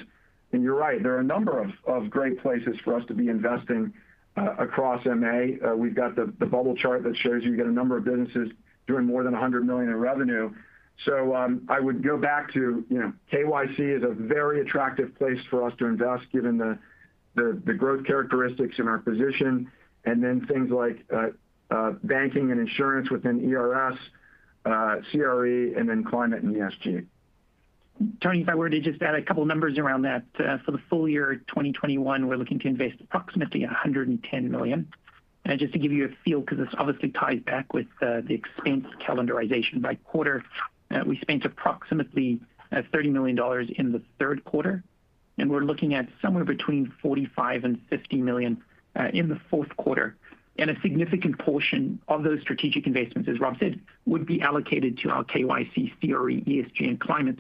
and you're right, there are a number of great places for us to be investing across MA. We've got the bubble chart that shows you get a number of businesses doing more than $100 million in revenue. I would go back to, you know, KYC is a very attractive place for us to invest given the growth characteristics in our position, and then things like banking and insurance within ERS, CRE, and then climate and ESG. Toni, if I were to just add a couple numbers around that. For the full year 2021, we're looking to invest approximately $110 million. Just to give you a feel, because this obviously ties back with the expense calendarization by quarter, we spent approximately $30 million in the third quarter, and we're looking at somewhere between $45 million and $50 million in the fourth quarter. A significant portion of those strategic investments, as Rob said, would be allocated to our KYC area, ESG and climate.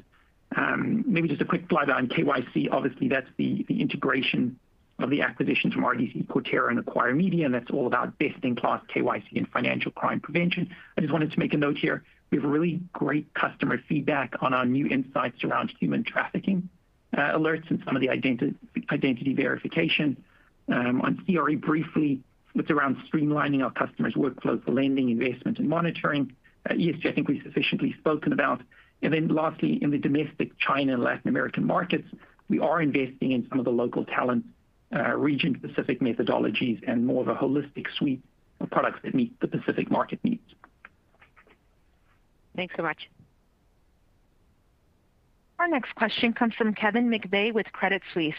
Maybe just a quick flyby on KYC. Obviously, that's the integration of the acquisitions from RDC, Cortera, and Acquire Media, and that's all about best-in-class KYC and financial crime prevention. I just wanted to make a note here. We have a really great customer feedback on our new insights around human trafficking, alerts and some of the identity verification. On CRE briefly, it's around streamlining our customers workflows for lending, investment, and monitoring. ESG, I think we've sufficiently spoken about. Lastly, in the domestic China and Latin American markets, we are investing in some of the local talent, region-specific methodologies and more of a holistic suite of products that meet the specific market needs. Thanks so much. Our next question comes from Kevin McVeigh with Credit Suisse.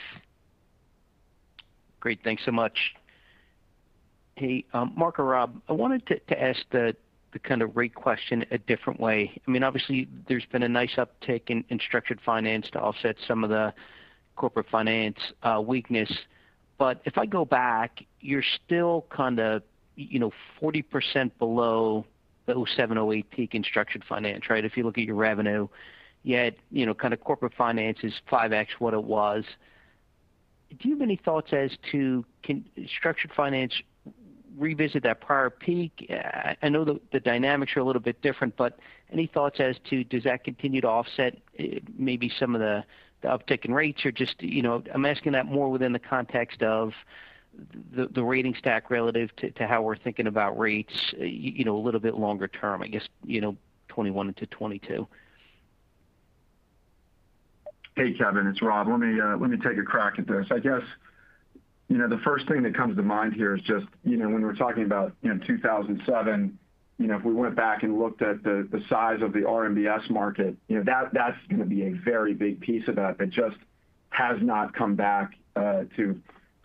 Great. Thanks so much. Hey, Mark or Rob, I wanted to ask the kind of rate question a different way. I mean, obviously there's been a nice uptick in structured finance to offset some of the corporate finance weakness. If I go back, you're still kind of, you know, 40% below the 2007-2008 peak in structured finance, right? If you look at your revenue, yet, you know, kind of corporate finance is 5x what it was. Do you have any thoughts as to can structured finance revisit that prior peak? I know the dynamics are a little bit different, but any thoughts as to does that continue to offset maybe some of the uptick in rates? Just, you know, I'm asking that more within the context of the rating stack relative to how we're thinking about rates, you know, a little bit longer-term, I guess, you know, 2021 into 2022. Hey, Kevin, it's Rob. Let me take a crack at this. I guess, you know, the first thing that comes to mind here is just, you know, when we're talking about, you know, 2007, you know, if we went back and looked at the size of the RMBS market, you know, that's going to be a very big piece of that that just has not come back to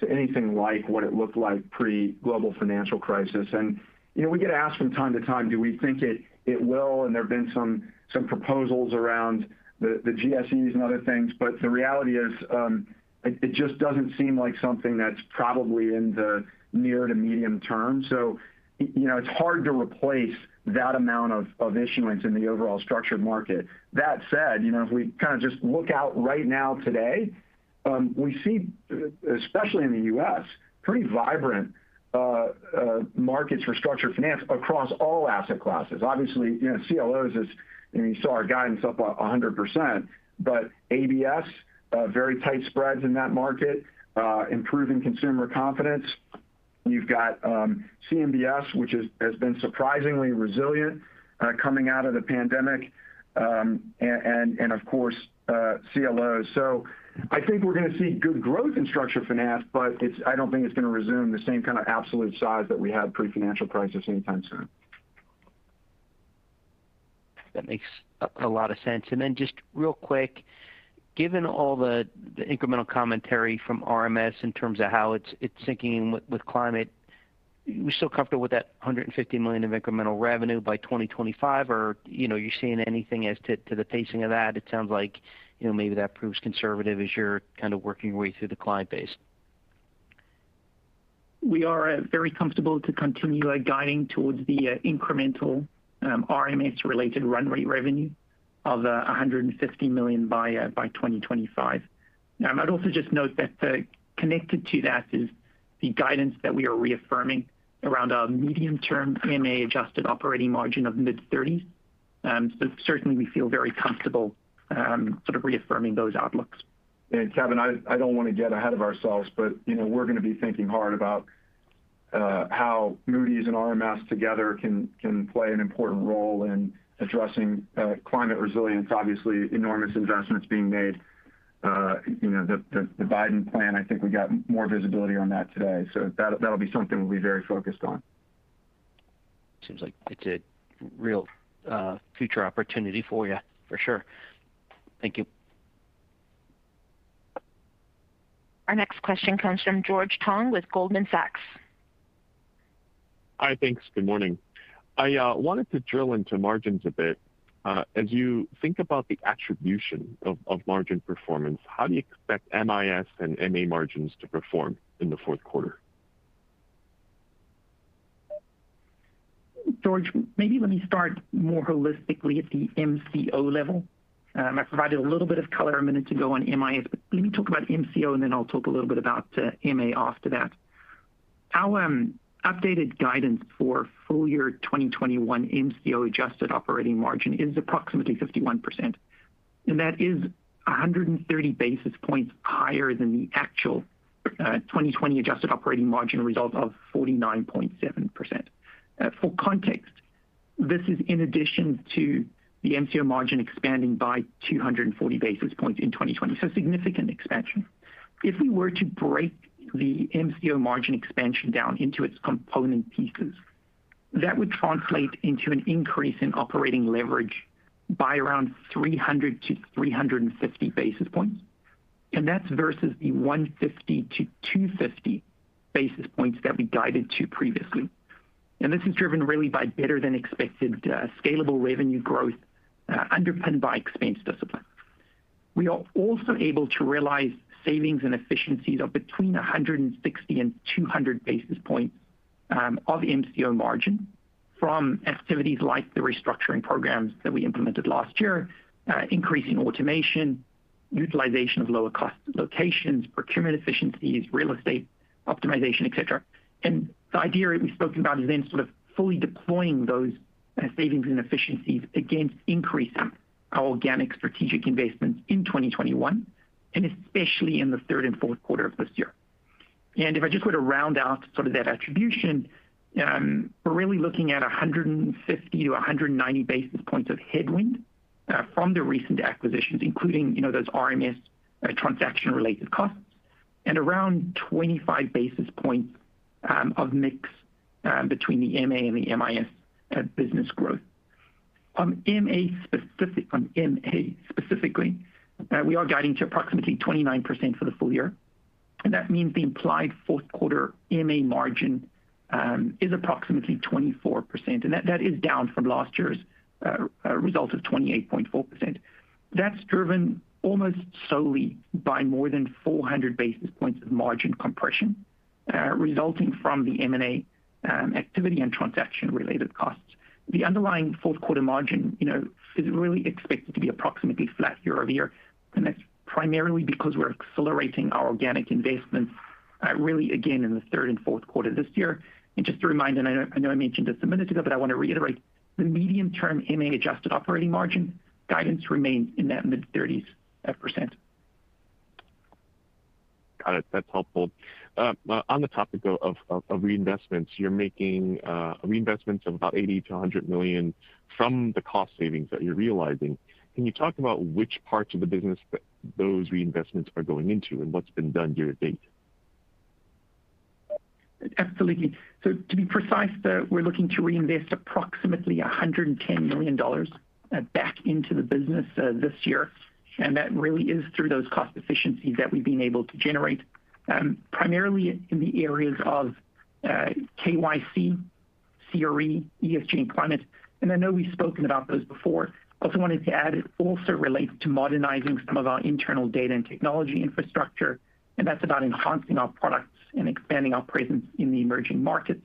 anything like what it looked like pre-global financial crisis. You know, we get asked from time to time, do we think it will? There have been some proposals around the GSEs and other things, but the reality is, it just doesn't seem like something that's probably in the near to medium-term. You know, it's hard to replace that amount of issuance in the overall structured market. That said, you know, if we kind of just look out right now today, we see, especially in the U.S., pretty vibrant markets for structured finance across all asset classes. Obviously, you know, CLOs is, you know, you saw our guidance up 100%. But ABS, very tight spreads in that market, improving consumer confidence. You've got CMBS, which has been surprisingly resilient, coming out of the pandemic, and of course, CLOs. I think we're going to see good growth in structured finance, but I don't think it's going to resume the same kind of absolute size that we had pre-financial crisis anytime soon. That makes a lot of sense. Then just real quick, given all the incremental commentary from RMS in terms of how it's syncing with climate, you still comfortable with that $150 million of incremental revenue by 2025 or, you know, you're seeing anything as to the pacing of that? It sounds like, you know, maybe that proves conservative as you're kind of working your way through the client base. We are very comfortable to continue guiding towards the incremental RMS-related runway revenue of $150 million by 2025. Now, I'd also just note that connected to that is the guidance that we are reaffirming around our medium-term MA adjusted operating margin of mid-30s percent. Certainly we feel very comfortable sort of reaffirming those outlooks. Kevin, I don't want to get ahead of ourselves, but you know, we're going to be thinking hard about how Moody's and RMS together can play an important role in addressing climate resilience. Obviously, enormous investments being made. You know, the Biden plan, I think we got more visibility on that today. That'll be something we'll be very focused on. Seems like it's a real, future opportunity for you, for sure. Thank you. Our next question comes from George Tong with Goldman Sachs. Hi. Thanks. Good morning. I wanted to drill into margins a bit. As you think about the attribution of margin performance, how do you expect MIS and MA margins to perform in the fourth quarter? George, maybe let me start more holistically at the MCO level. I provided a little bit of color a minute ago on MIS, but let me talk about MCO, and then I'll talk a little bit about MA after that. Our updated guidance for full year 2021 MCO adjusted operating margin is approximately 51%, and that is 130 basis points higher than the actual 2020 adjusted operating margin result of 49.7%. For context, this is in addition to the MCO margin expanding by 240 basis points in 2020, so significant expansion. If we were to break the MCO margin expansion down into its component pieces, that would translate into an increase in operating leverage by around 300-350 basis points. That's versus the 150-250 basis points that we guided to previously. This is driven really by better than expected scalable revenue growth underpinned by expense discipline. We are also able to realize savings and efficiencies of between 160 and 200 basis points of MCO margin from activities like the restructuring programs that we implemented last year increasing automation, utilization of lower cost locations, procurement efficiencies, real estate optimization, etc. The idea we've spoken about is then sort of fully deploying those savings and efficiencies against increasing our organic strategic investments in 2021, and especially in the third and fourth quarter of this year. If I just were to round out sort of that attribution, we're really looking at 150-190 basis points of headwind from the recent acquisitions, including, you know, those RMS transaction related costs, and around 25 basis points of mix between the MA and the MIS business growth. On MA specifically, we are guiding to approximately 29% for the full year, and that means the implied fourth quarter MA margin is approximately 24%. That is down from last year's result of 28.4%. That's driven almost solely by more than 400 basis points of margin compression resulting from the M&A activity and transaction related costs. The underlying fourth quarter margin, you know, is really expected to be approximately flat year-over-year, and that's primarily because we're accelerating our organic investments, really again in the third and fourth quarter this year. Just a reminder, I know I mentioned this a minute ago, but I want to reiterate, the medium-term MA adjusted operating margin guidance remains in that mid-30s percent. Got it. That's helpful. On the topic though of reinvestments, you're making reinvestments of about $80 million-$100 million from the cost savings that you're realizing. Can you talk about which parts of the business those reinvestments are going into and what's been done year to date? Absolutely. To be precise, we're looking to reinvest approximately $110 million back into the business this year. That really is through those cost efficiencies that we've been able to generate primarily in the areas of KYC, CRE, ESG, and climate. I know we've spoken about those before. Also wanted to add, it also relates to modernizing some of our internal data and technology infrastructure, and that's about enhancing our products and expanding our presence in the emerging markets.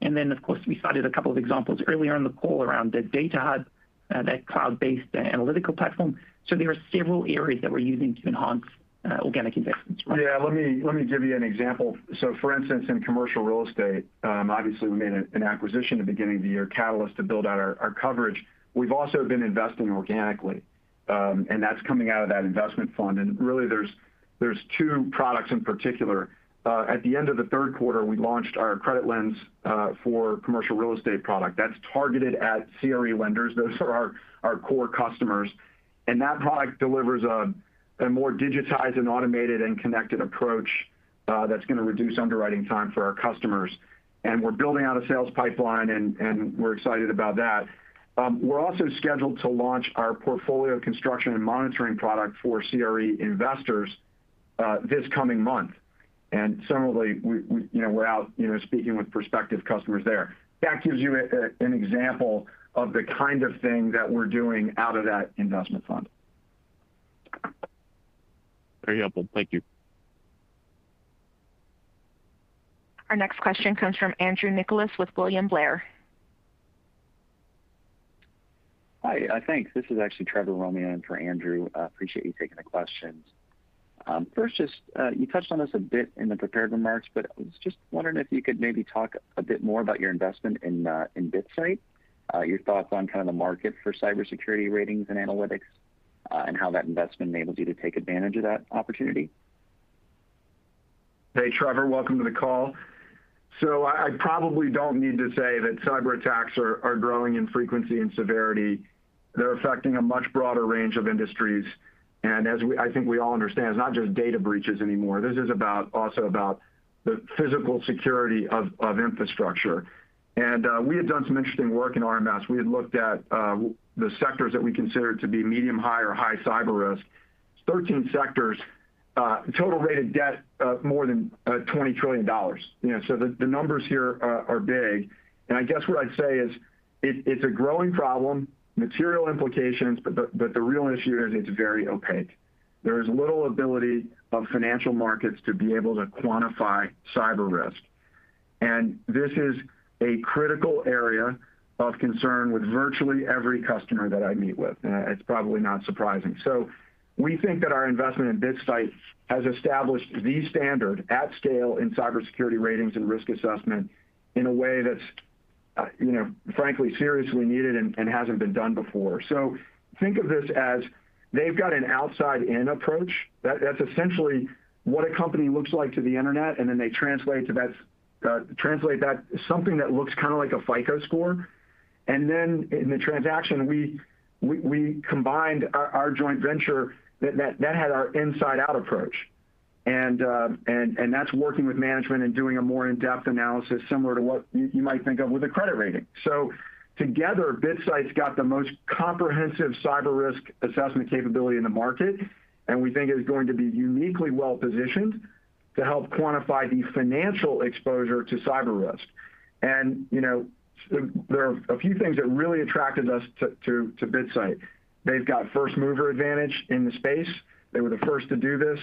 Then of course, we cited a couple of examples earlier in the call around the DataHub, that cloud-based analytical platform. There are several areas that we're using to enhance organic investments. Yeah, let me give you an example. For instance, in commercial real estate, obviously we made an acquisition at the beginning of the year, Catalyst, to build out our coverage. We've also been investing organically, and that's coming out of that investment fund. Really there's two products in particular. At the end of the third quarter, we launched our CreditLens for commercial real estate product. That's targeted at CRE lenders. Those are our core customers. That product delivers a more digitized and automated and connected approach that's going to reduce underwriting time for our customers. We're building out a sales pipeline and we're excited about that. We're also scheduled to launch our portfolio construction and monitoring product for CRE investors this coming month. Similarly, we you know, we're out, you know, speaking with prospective customers there. That gives you an example of the kind of thing that we're doing out of that investment fund. Very helpful. Thank you. Our next question comes from Andrew Nicholas with William Blair. Hi. Thanks. This is actually Trevor Romeo in for Andrew. Appreciate you taking the questions. First just, you touched on this a bit in the prepared remarks, but I was just wondering if you could maybe talk a bit more about your investment in BitSight, your thoughts on kind of the market for cybersecurity ratings and analytics, and how that investment enables you to take advantage of that opportunity. Hey, Trevor. Welcome to the call. I probably don't need to say that cyberattacks are growing in frequency and severity. They're affecting a much broader range of industries, and I think we all understand it's not just data breaches anymore. This is also about the physical security of infrastructure. We had done some interesting work in RMS. We had looked at the sectors that we considered to be medium-high or high cyber risk. 13 sectors, total rated debt of more than $20 trillion. The numbers here are big. I guess what I'd say is it's a growing problem, material implications, but the real issue is it's very opaque. There is little ability of financial markets to be able to quantify cyber risk. This is a critical area of concern with virtually every customer that I meet with. It's probably not surprising. We think that our investment in BitSight has established the standard at scale in cybersecurity ratings and risk assessment in a way that's, you know, frankly, seriously needed and hasn't been done before. Think of this as they've got an outside in approach. That's essentially what a company looks like to the internet, and then they translate that to something that looks kind of like a FICO score. In the transaction, we combined our joint venture that had our inside out approach, and that's working with management and doing a more in-depth analysis similar to what you might think of with a credit rating. Together, BitSight's got the most comprehensive cyber risk assessment capability in the market, and we think it's going to be uniquely well positioned to help quantify the financial exposure to cyber risk. There are a few things that really attracted us to BitSight. They've got first mover advantage in the space. They were the first to do this.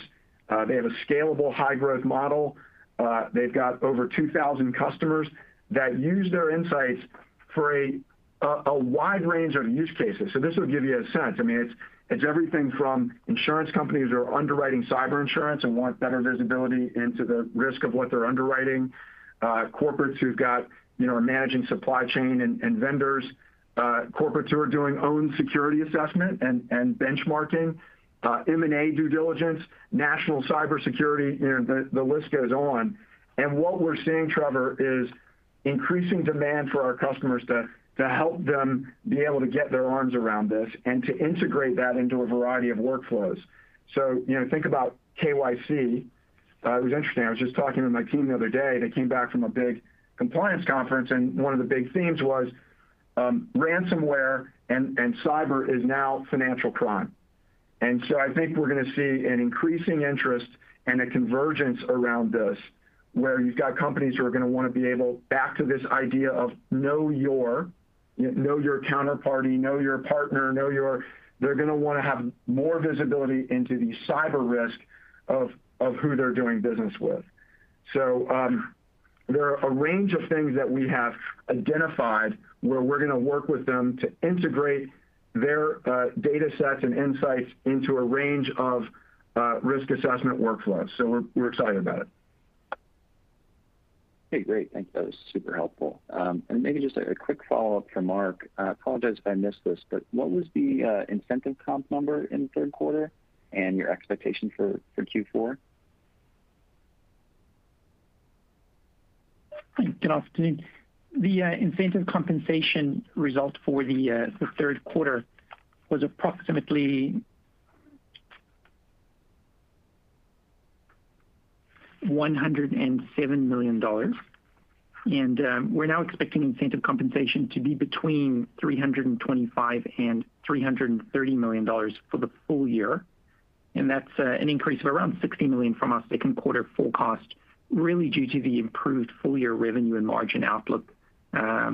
They have a scalable high-growth model. They've got over 2,000 customers that use their insights for a wide range of use cases. This will give you a sense. I mean, it's everything from insurance companies who are underwriting cyber insurance and want better visibility into the risk of what they're underwriting, corporates who've got, you know, are managing supply chain and vendors, corporates who are doing own security assessment and benchmarking, M&A due diligence, national cybersecurity. You know, the list goes on. What we're seeing, Trevor, is increasing demand for our customers to help them be able to get their arms around this and to integrate that into a variety of workflows. You know, think about KYC. It was interesting. I was just talking to my team the other day. They came back from a big compliance conference, and one of the big themes was ransomware and cyber is now financial crime. I think we're going to see an increasing interest and a convergence around this, where you've got companies who are going to want to be able back to this idea of know your counterparty, know your partner, know your. They're going to want to have more visibility into the cyber risk of who they're doing business with. So, there are a range of things that we have identified where we're going to work with them to integrate their datasets and insights into a range of risk assessment workflows. So we're excited about it. Okay. Great. Thank you. That was super helpful. Maybe just a quick follow-up for Mark. I apologize if I missed this, but what was the incentive comp number in the third quarter and your expectation for Q4? Good afternoon. The incentive compensation result for the third quarter was approximately $107 million. We're now expecting incentive compensation to be between $325 million and $330 million for the full year. That's an increase of around $60 million from our second quarter forecast, really due to the improved full year revenue and margin outlook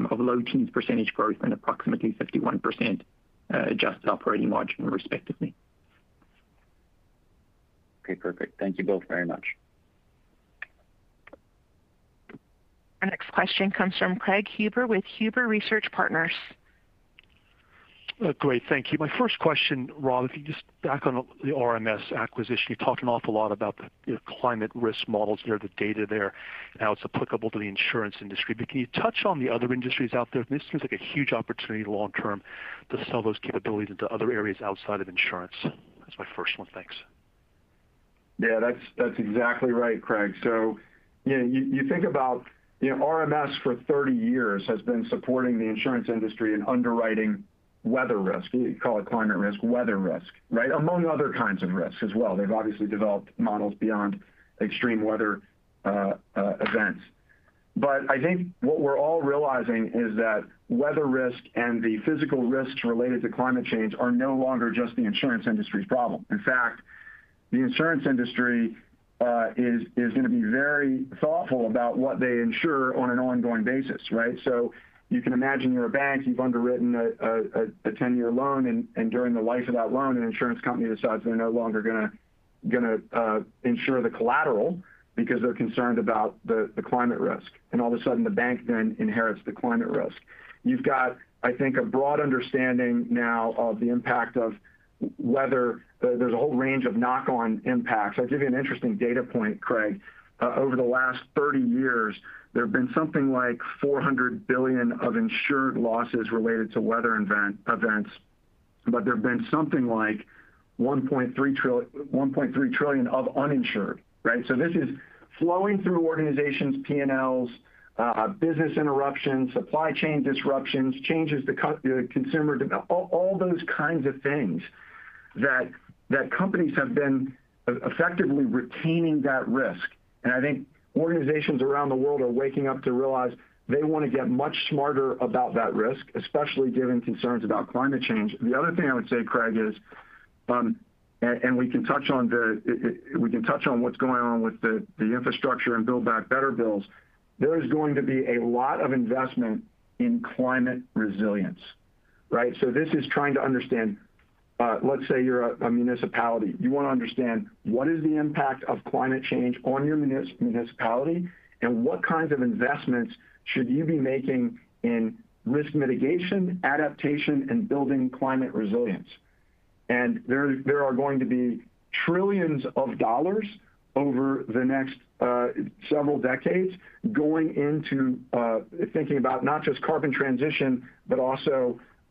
of low teens percentage growth and approximately 51% adjusted operating margin respectively. Okay, perfect. Thank you both very much. Our next question comes from Craig Huber with Huber Research Partners. Great. Thank you. My first question, Rob, if you just back on the RMS acquisition, you talked an awful lot about the, you know, climate risk models there, the data there, and how it's applicable to the insurance industry. Can you touch on the other industries out there? This seems like a huge opportunity long-term to sell those capabilities into other areas outside of insurance. That's my first one. Thanks. Yeah, that's exactly right, Craig. You know, you think about, you know, RMS for 30 years has been supporting the insurance industry in underwriting weather risk. We call it climate risk, weather risk, right? Among other kinds of risks as well. They've obviously developed models beyond extreme weather events. I think what we're all realizing is that weather risk and the physical risks related to climate change are no longer just the insurance industry's problem. In fact, the insurance industry is going to be very thoughtful about what they insure on an ongoing basis, right? You can imagine you're a bank, you've underwritten a 10-year loan and during the life of that loan, an insurance company decides they're no longer going to insure the collateral because they're concerned about the climate risk. All of a sudden the bank then inherits the climate risk. You've got, I think, a broad understanding now of the impact of weather. There's a whole range of knock-on impacts. I'll give you an interesting data point, Craig. Over the last 30 years, there have been something like $400 billion of insured losses related to weather events, but there have been something like $1.3 trillion of uninsured, right? This is flowing through organizations' P&Ls, business interruptions, supply chain disruptions, changes to consumer demand. All those kinds of things that companies have been effectively retaining that risk. I think organizations around the world are waking up to realize they want to get much smarter about that risk, especially given concerns about climate change. The other thing I would say, Craig, is and we can touch on what's going on with the infrastructure and Build Back Better bills. There is going to be a lot of investment in climate resilience, right? This is trying to understand, let's say you're a municipality. You want to understand what is the impact of climate change on your municipality, and what kinds of investments should you be making in risk mitigation, adaptation, and building climate resilience. There are going to be trillions of dollars over the next several decades going into thinking about not just carbon transition,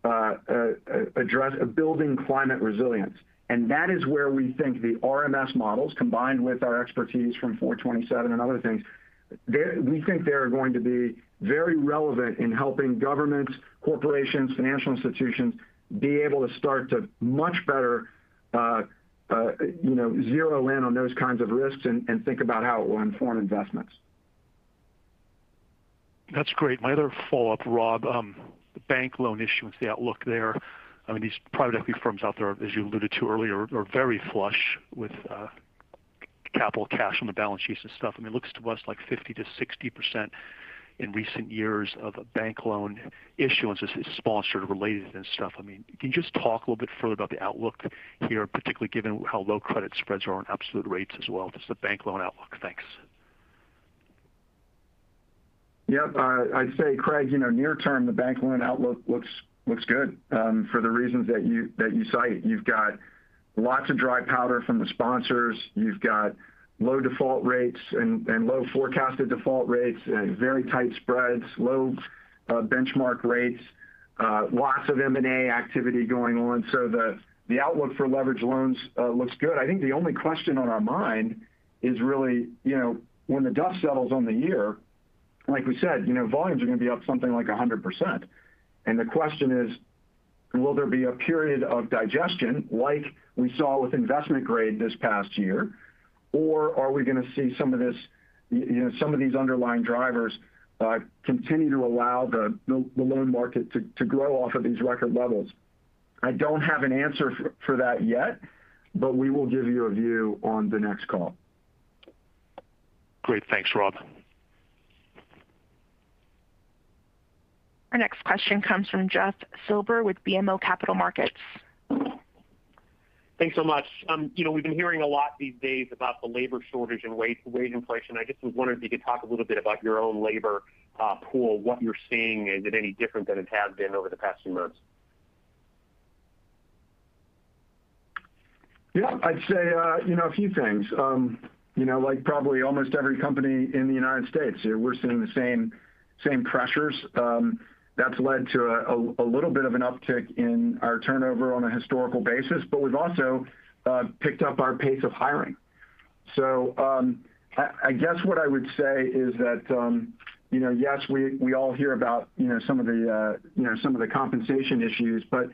but also building climate resilience. That is where we think the RMS models, combined with our expertise from Four Twenty Seven and other things, we think they are going to be very relevant in helping governments, corporations, financial institutions be able to start to much better, you know, zero in on those kinds of risks and think about how it will inform investments. That's great. My other follow-up, Rob, the bank loan issuance, the outlook there. I mean, these private equity firms out there, as you alluded to earlier, are very flush with capital cash on the balance sheets and stuff. I mean, it looks to us like 50%-60% in recent years of bank loan issuance is sponsor-related and stuff. I mean, can you just talk a little bit further about the outlook here, particularly given how low credit spreads are on absolute rates as well? Just the bank loan outlook. Thanks. Yep. I'd say, Craig, you know, near-term, the bank loan outlook looks good for the reasons that you cite. You've got lots of dry powder from the sponsors. You've got low default rates and low forecasted default rates, very tight spreads, low benchmark rates, lots of M&A activity going on. So the outlook for leverage loans looks good. I think the only question on our mind is really, you know, when the dust settles on the year, like we said, you know, volumes are going to be up something like 100%. The question is, will there be a period of digestion like we saw with investment grade this past year, or are we going to see some of these underlying drivers continue to allow the the loan market to grow off of these record levels? I don't have an answer for that yet, but we will give you a view on the next call. Great. Thanks, Rob. Our next question comes from Jeffrey Silber with BMO Capital Markets. Thanks so much. You know, we've been hearing a lot these days about the labor shortage and wage inflation. I just was wondering if you could talk a little bit about your own labor pool, what you're seeing. Is it any different than it has been over the past few months? Yeah. I'd say, you know, a few things. You know, like probably almost every company in the United States, we're seeing the same pressures. That's led to a little bit of an uptick in our turnover on a historical basis, but we've also picked up our pace of hiring. I guess what I would say is that, you know, yes, we all hear about, you know, some of the, you know, some of the compensation issues, but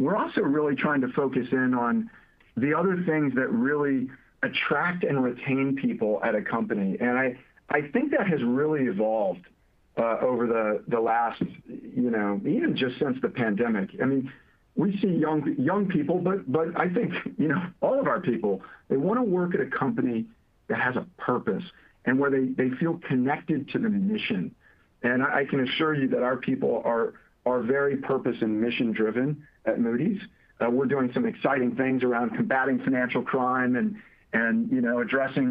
we're also really trying to focus in on the other things that really attract and retain people at a company. I think that has really evolved over the last, you know, even just since the pandemic. I mean, we see young people, but I think, you know, all of our people, they want to work at a company that has a purpose and where they feel connected to the mission. I can assure you that our people are very purpose and mission-driven at Moody's. We're doing some exciting things around combating financial crime and, you know,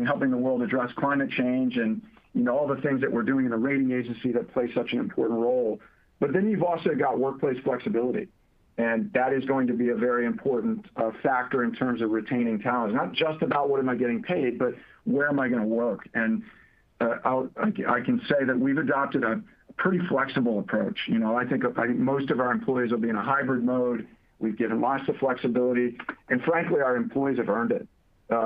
helping the world address climate change and, you know, all the things that we're doing in a rating agency that plays such an important role. Then you've also got workplace flexibility. That is going to be a very important factor in terms of retaining talent. Not just about what am I getting paid, but where am I going to work? I can say that we've adopted a pretty flexible approach. You know, I think most of our employees will be in a hybrid mode. We've given lots of flexibility, and frankly, our employees have earned it.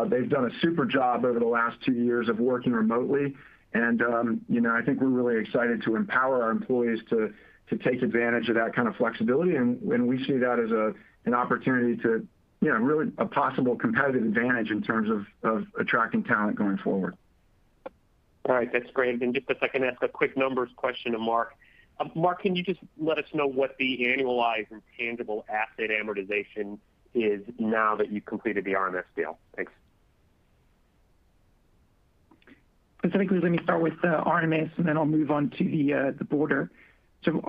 They've done a super job over the last two years of working remotely, and you know, I think we're really excited to empower our employees to take advantage of that kind of flexibility. We see that as an opportunity to you know, really a possible competitive advantage in terms of attracting talent going forward. All right. That's great. Just if I can ask a quick numbers question to Mark. Mark, can you just let us know what the annualized intangible asset amortization is now that you've completed the RMS deal? Thanks. Specifically, let me start with RMS, and then I'll move on to the broader.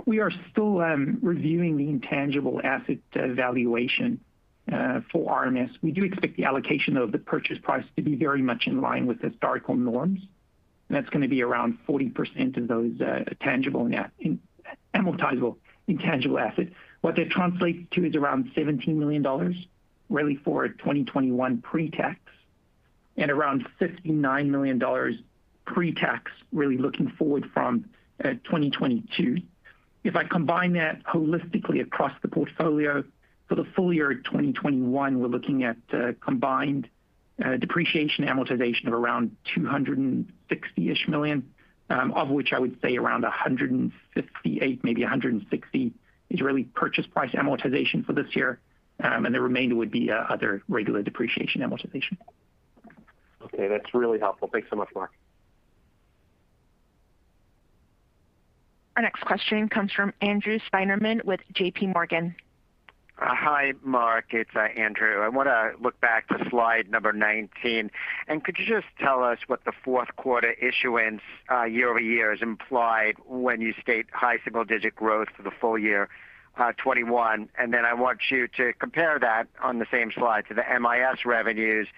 We are still reviewing the intangible asset valuation for RMS. We do expect the allocation of the purchase price to be very much in line with historical norms, and that's going to be around 40% of those tangible and amortizable intangible assets. What that translates to is around $17 million really for a 2021 pre-tax, and around $59 million pre-tax really looking forward from 2022. If I combine that holistically across the portfolio for the full year 2021, we're looking at combined depreciation amortization of around $260 million, of which I would say around $158 million, maybe $160 million is really purchase price amortization for this year. The remainder would be other regular depreciation and amortization. Okay. That's really helpful. Thanks so much, Mark. Our next question comes from Andrew Steinerman with JPMorgan. Hi, Mark. It's Andrew. I want to look back to slide number 19. Could you just tell us what the fourth quarter issuance year-over-year is implied when you state high single digit growth for the full year 2021? Then I want you to compare that on the same slide to the MIS revenues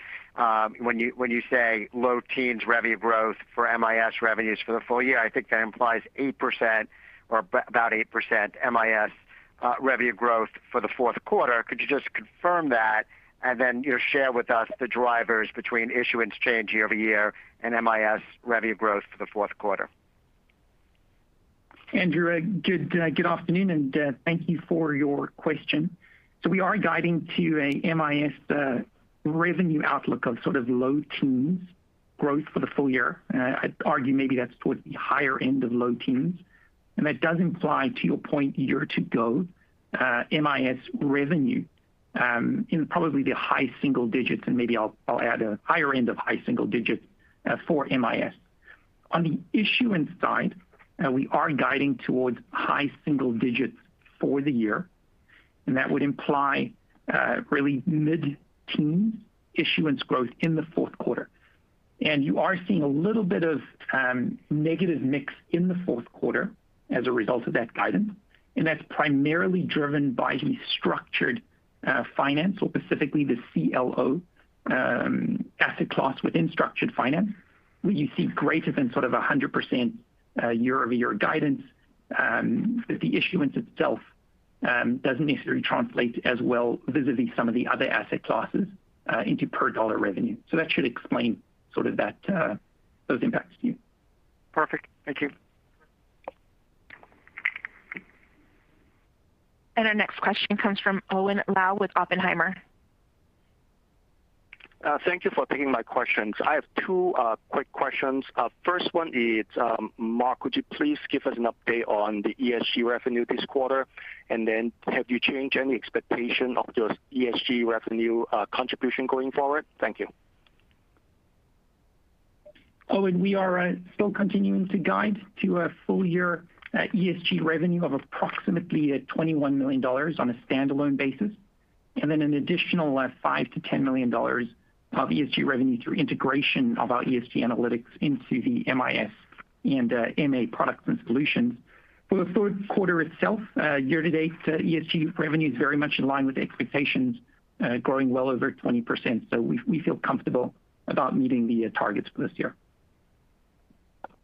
when you say low teens revenue growth for MIS revenues for the full year. I think that implies 8% or about 8% MIS revenue growth for the fourth quarter. Could you just confirm that, then you share with us the drivers between issuance change year-over-year and MIS revenue growth for the fourth quarter? Andrew, good afternoon, and thank you for your question. We are guiding to a MIS revenue outlook of sort of low-teens growth for the full year. I'd argue maybe that's towards the higher end of low teens, and that does imply, to your point, year-over-year MIS revenue in probably the high single digits, and maybe I'll add a higher end of high single digits for MIS. On the issuance side, we are guiding towards high single digits for the year, and that would imply really mid-teens issuance growth in the fourth quarter. You are seeing a little bit of negative mix in the fourth quarter as a result of that guidance, and that's primarily driven by the structured finance or specifically the CLO asset class within structured finance, where you see greater than sort of 100% year-over-year guidance. The issuance itself doesn't necessarily translate as well vis-à-vis some of the other asset classes into per dollar revenue. That should explain sort of that those impacts to you. Perfect. Thank you. Our next question comes from Owen Lau with Oppenheimer. Thank you for taking my questions. I have two quick questions. First one is, Mark, would you please give us an update on the ESG revenue this quarter? Have you changed any expectation of your ESG revenue contribution going forward? Thank you. Owen, we are still continuing to guide to a full year ESG revenue of approximately $21 million on a standalone basis, and then an additional $5 million-$10 million of ESG revenue through integration of our ESG analytics into the MIS and MA products and solutions. For the third quarter itself, year to date, ESG revenue is very much in line with expectations, growing well over 20%. We feel comfortable about meeting the targets for this year.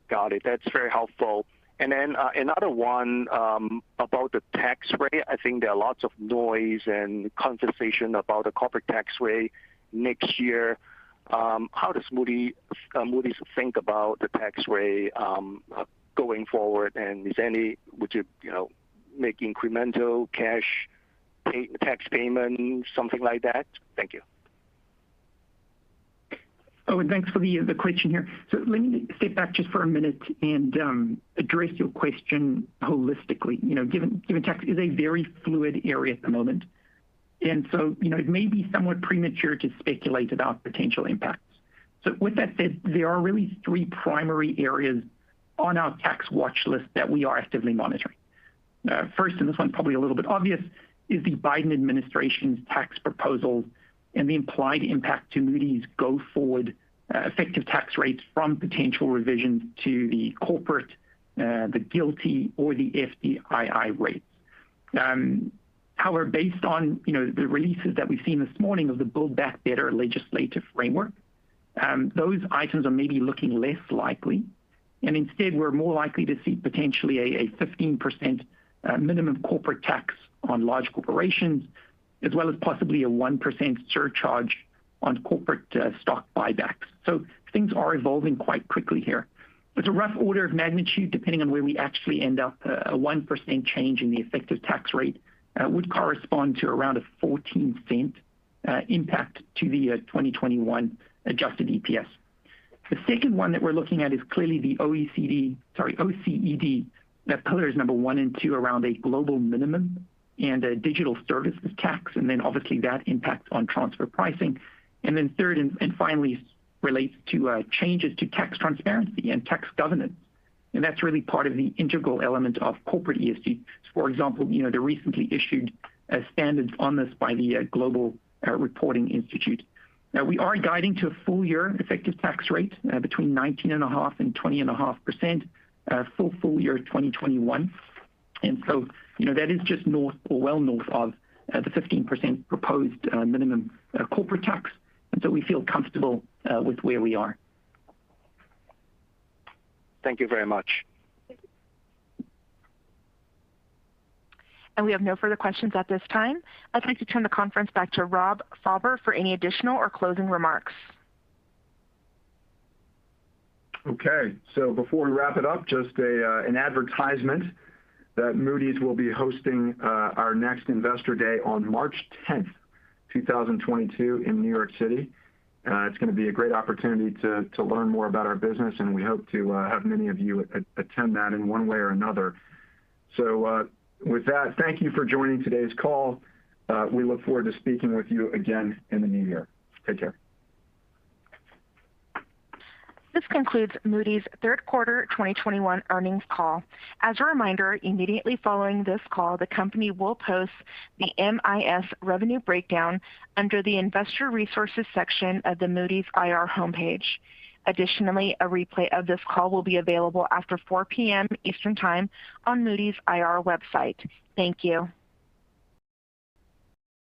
Got it. That's very helpful. Then, another one about the tax rate. I think there are lots of noise and conversation about the corporate tax rate next year. How does Moody's think about the tax rate going forward, and would you know, make incremental cash pay tax payments, something like that? Thank you. Owen, thanks for the question here. Let me step back just for a minute and address your question holistically. You know, given tax is a very fluid area at the moment. You know, it may be somewhat premature to speculate about potential impacts. With that said, there are really three primary areas on our tax watchlist that we are actively monitoring. First, and this one probably a little bit obvious, is the Biden administration's tax proposals and the implied impact to Moody's go forward, effective tax rates from potential revisions to the corporate, the GILTI or the FDII rates. However, based on, you know, the releases that we've seen this morning of the Build Back Better legislative framework, those items are maybe looking less likely, and instead we're more likely to see potentially a 15% minimum corporate tax on large corporations, as well as possibly a 1% surcharge on corporate stock buybacks. Things are evolving quite quickly here. A rough order of magnitude, depending on where we actually end up, a 1% change in the effective tax rate would correspond to around a $0.14 impact to the 2021 adjusted EPS. The second one that we're looking at is clearly the OECD, that pillars number one and two around a global minimum and a digital services tax, and then obviously that impacts on transfer pricing. Then third and finally relates to changes to tax transparency and tax governance. That's really part of the integral element of corporate ESG. For example, you know, the recently issued standards on this by the Global Reporting Initiative. Now we are guiding to a full year effective tax rate between 19.5% and 20.5% for full year 2021. You know, that is just north or well north of the 15% proposed minimum corporate tax, and so we feel comfortable with where we are. Thank you very much. We have no further questions at this time. I'd like to turn the conference back to Rob Fauber for any additional or closing remarks. Okay. Before we wrap it up, just an advertisement that Moody's will be hosting our next Investor Day on March 10, 2022 in New York City. It's going to be a great opportunity to learn more about our business, and we hope to have many of you attend that in one way or another. With that, thank you for joining today's call. We look forward to speaking with you again in the new year. Take care. This concludes Moody's third quarter 2021 earnings call. As a reminder, immediately following this call, the company will post the MIS revenue breakdown under the Investor Resources section of the Moody's IR homepage. Additionally, a replay of this call will be available after 4 P.M. Eastern Time on Moody's IR website. Thank you.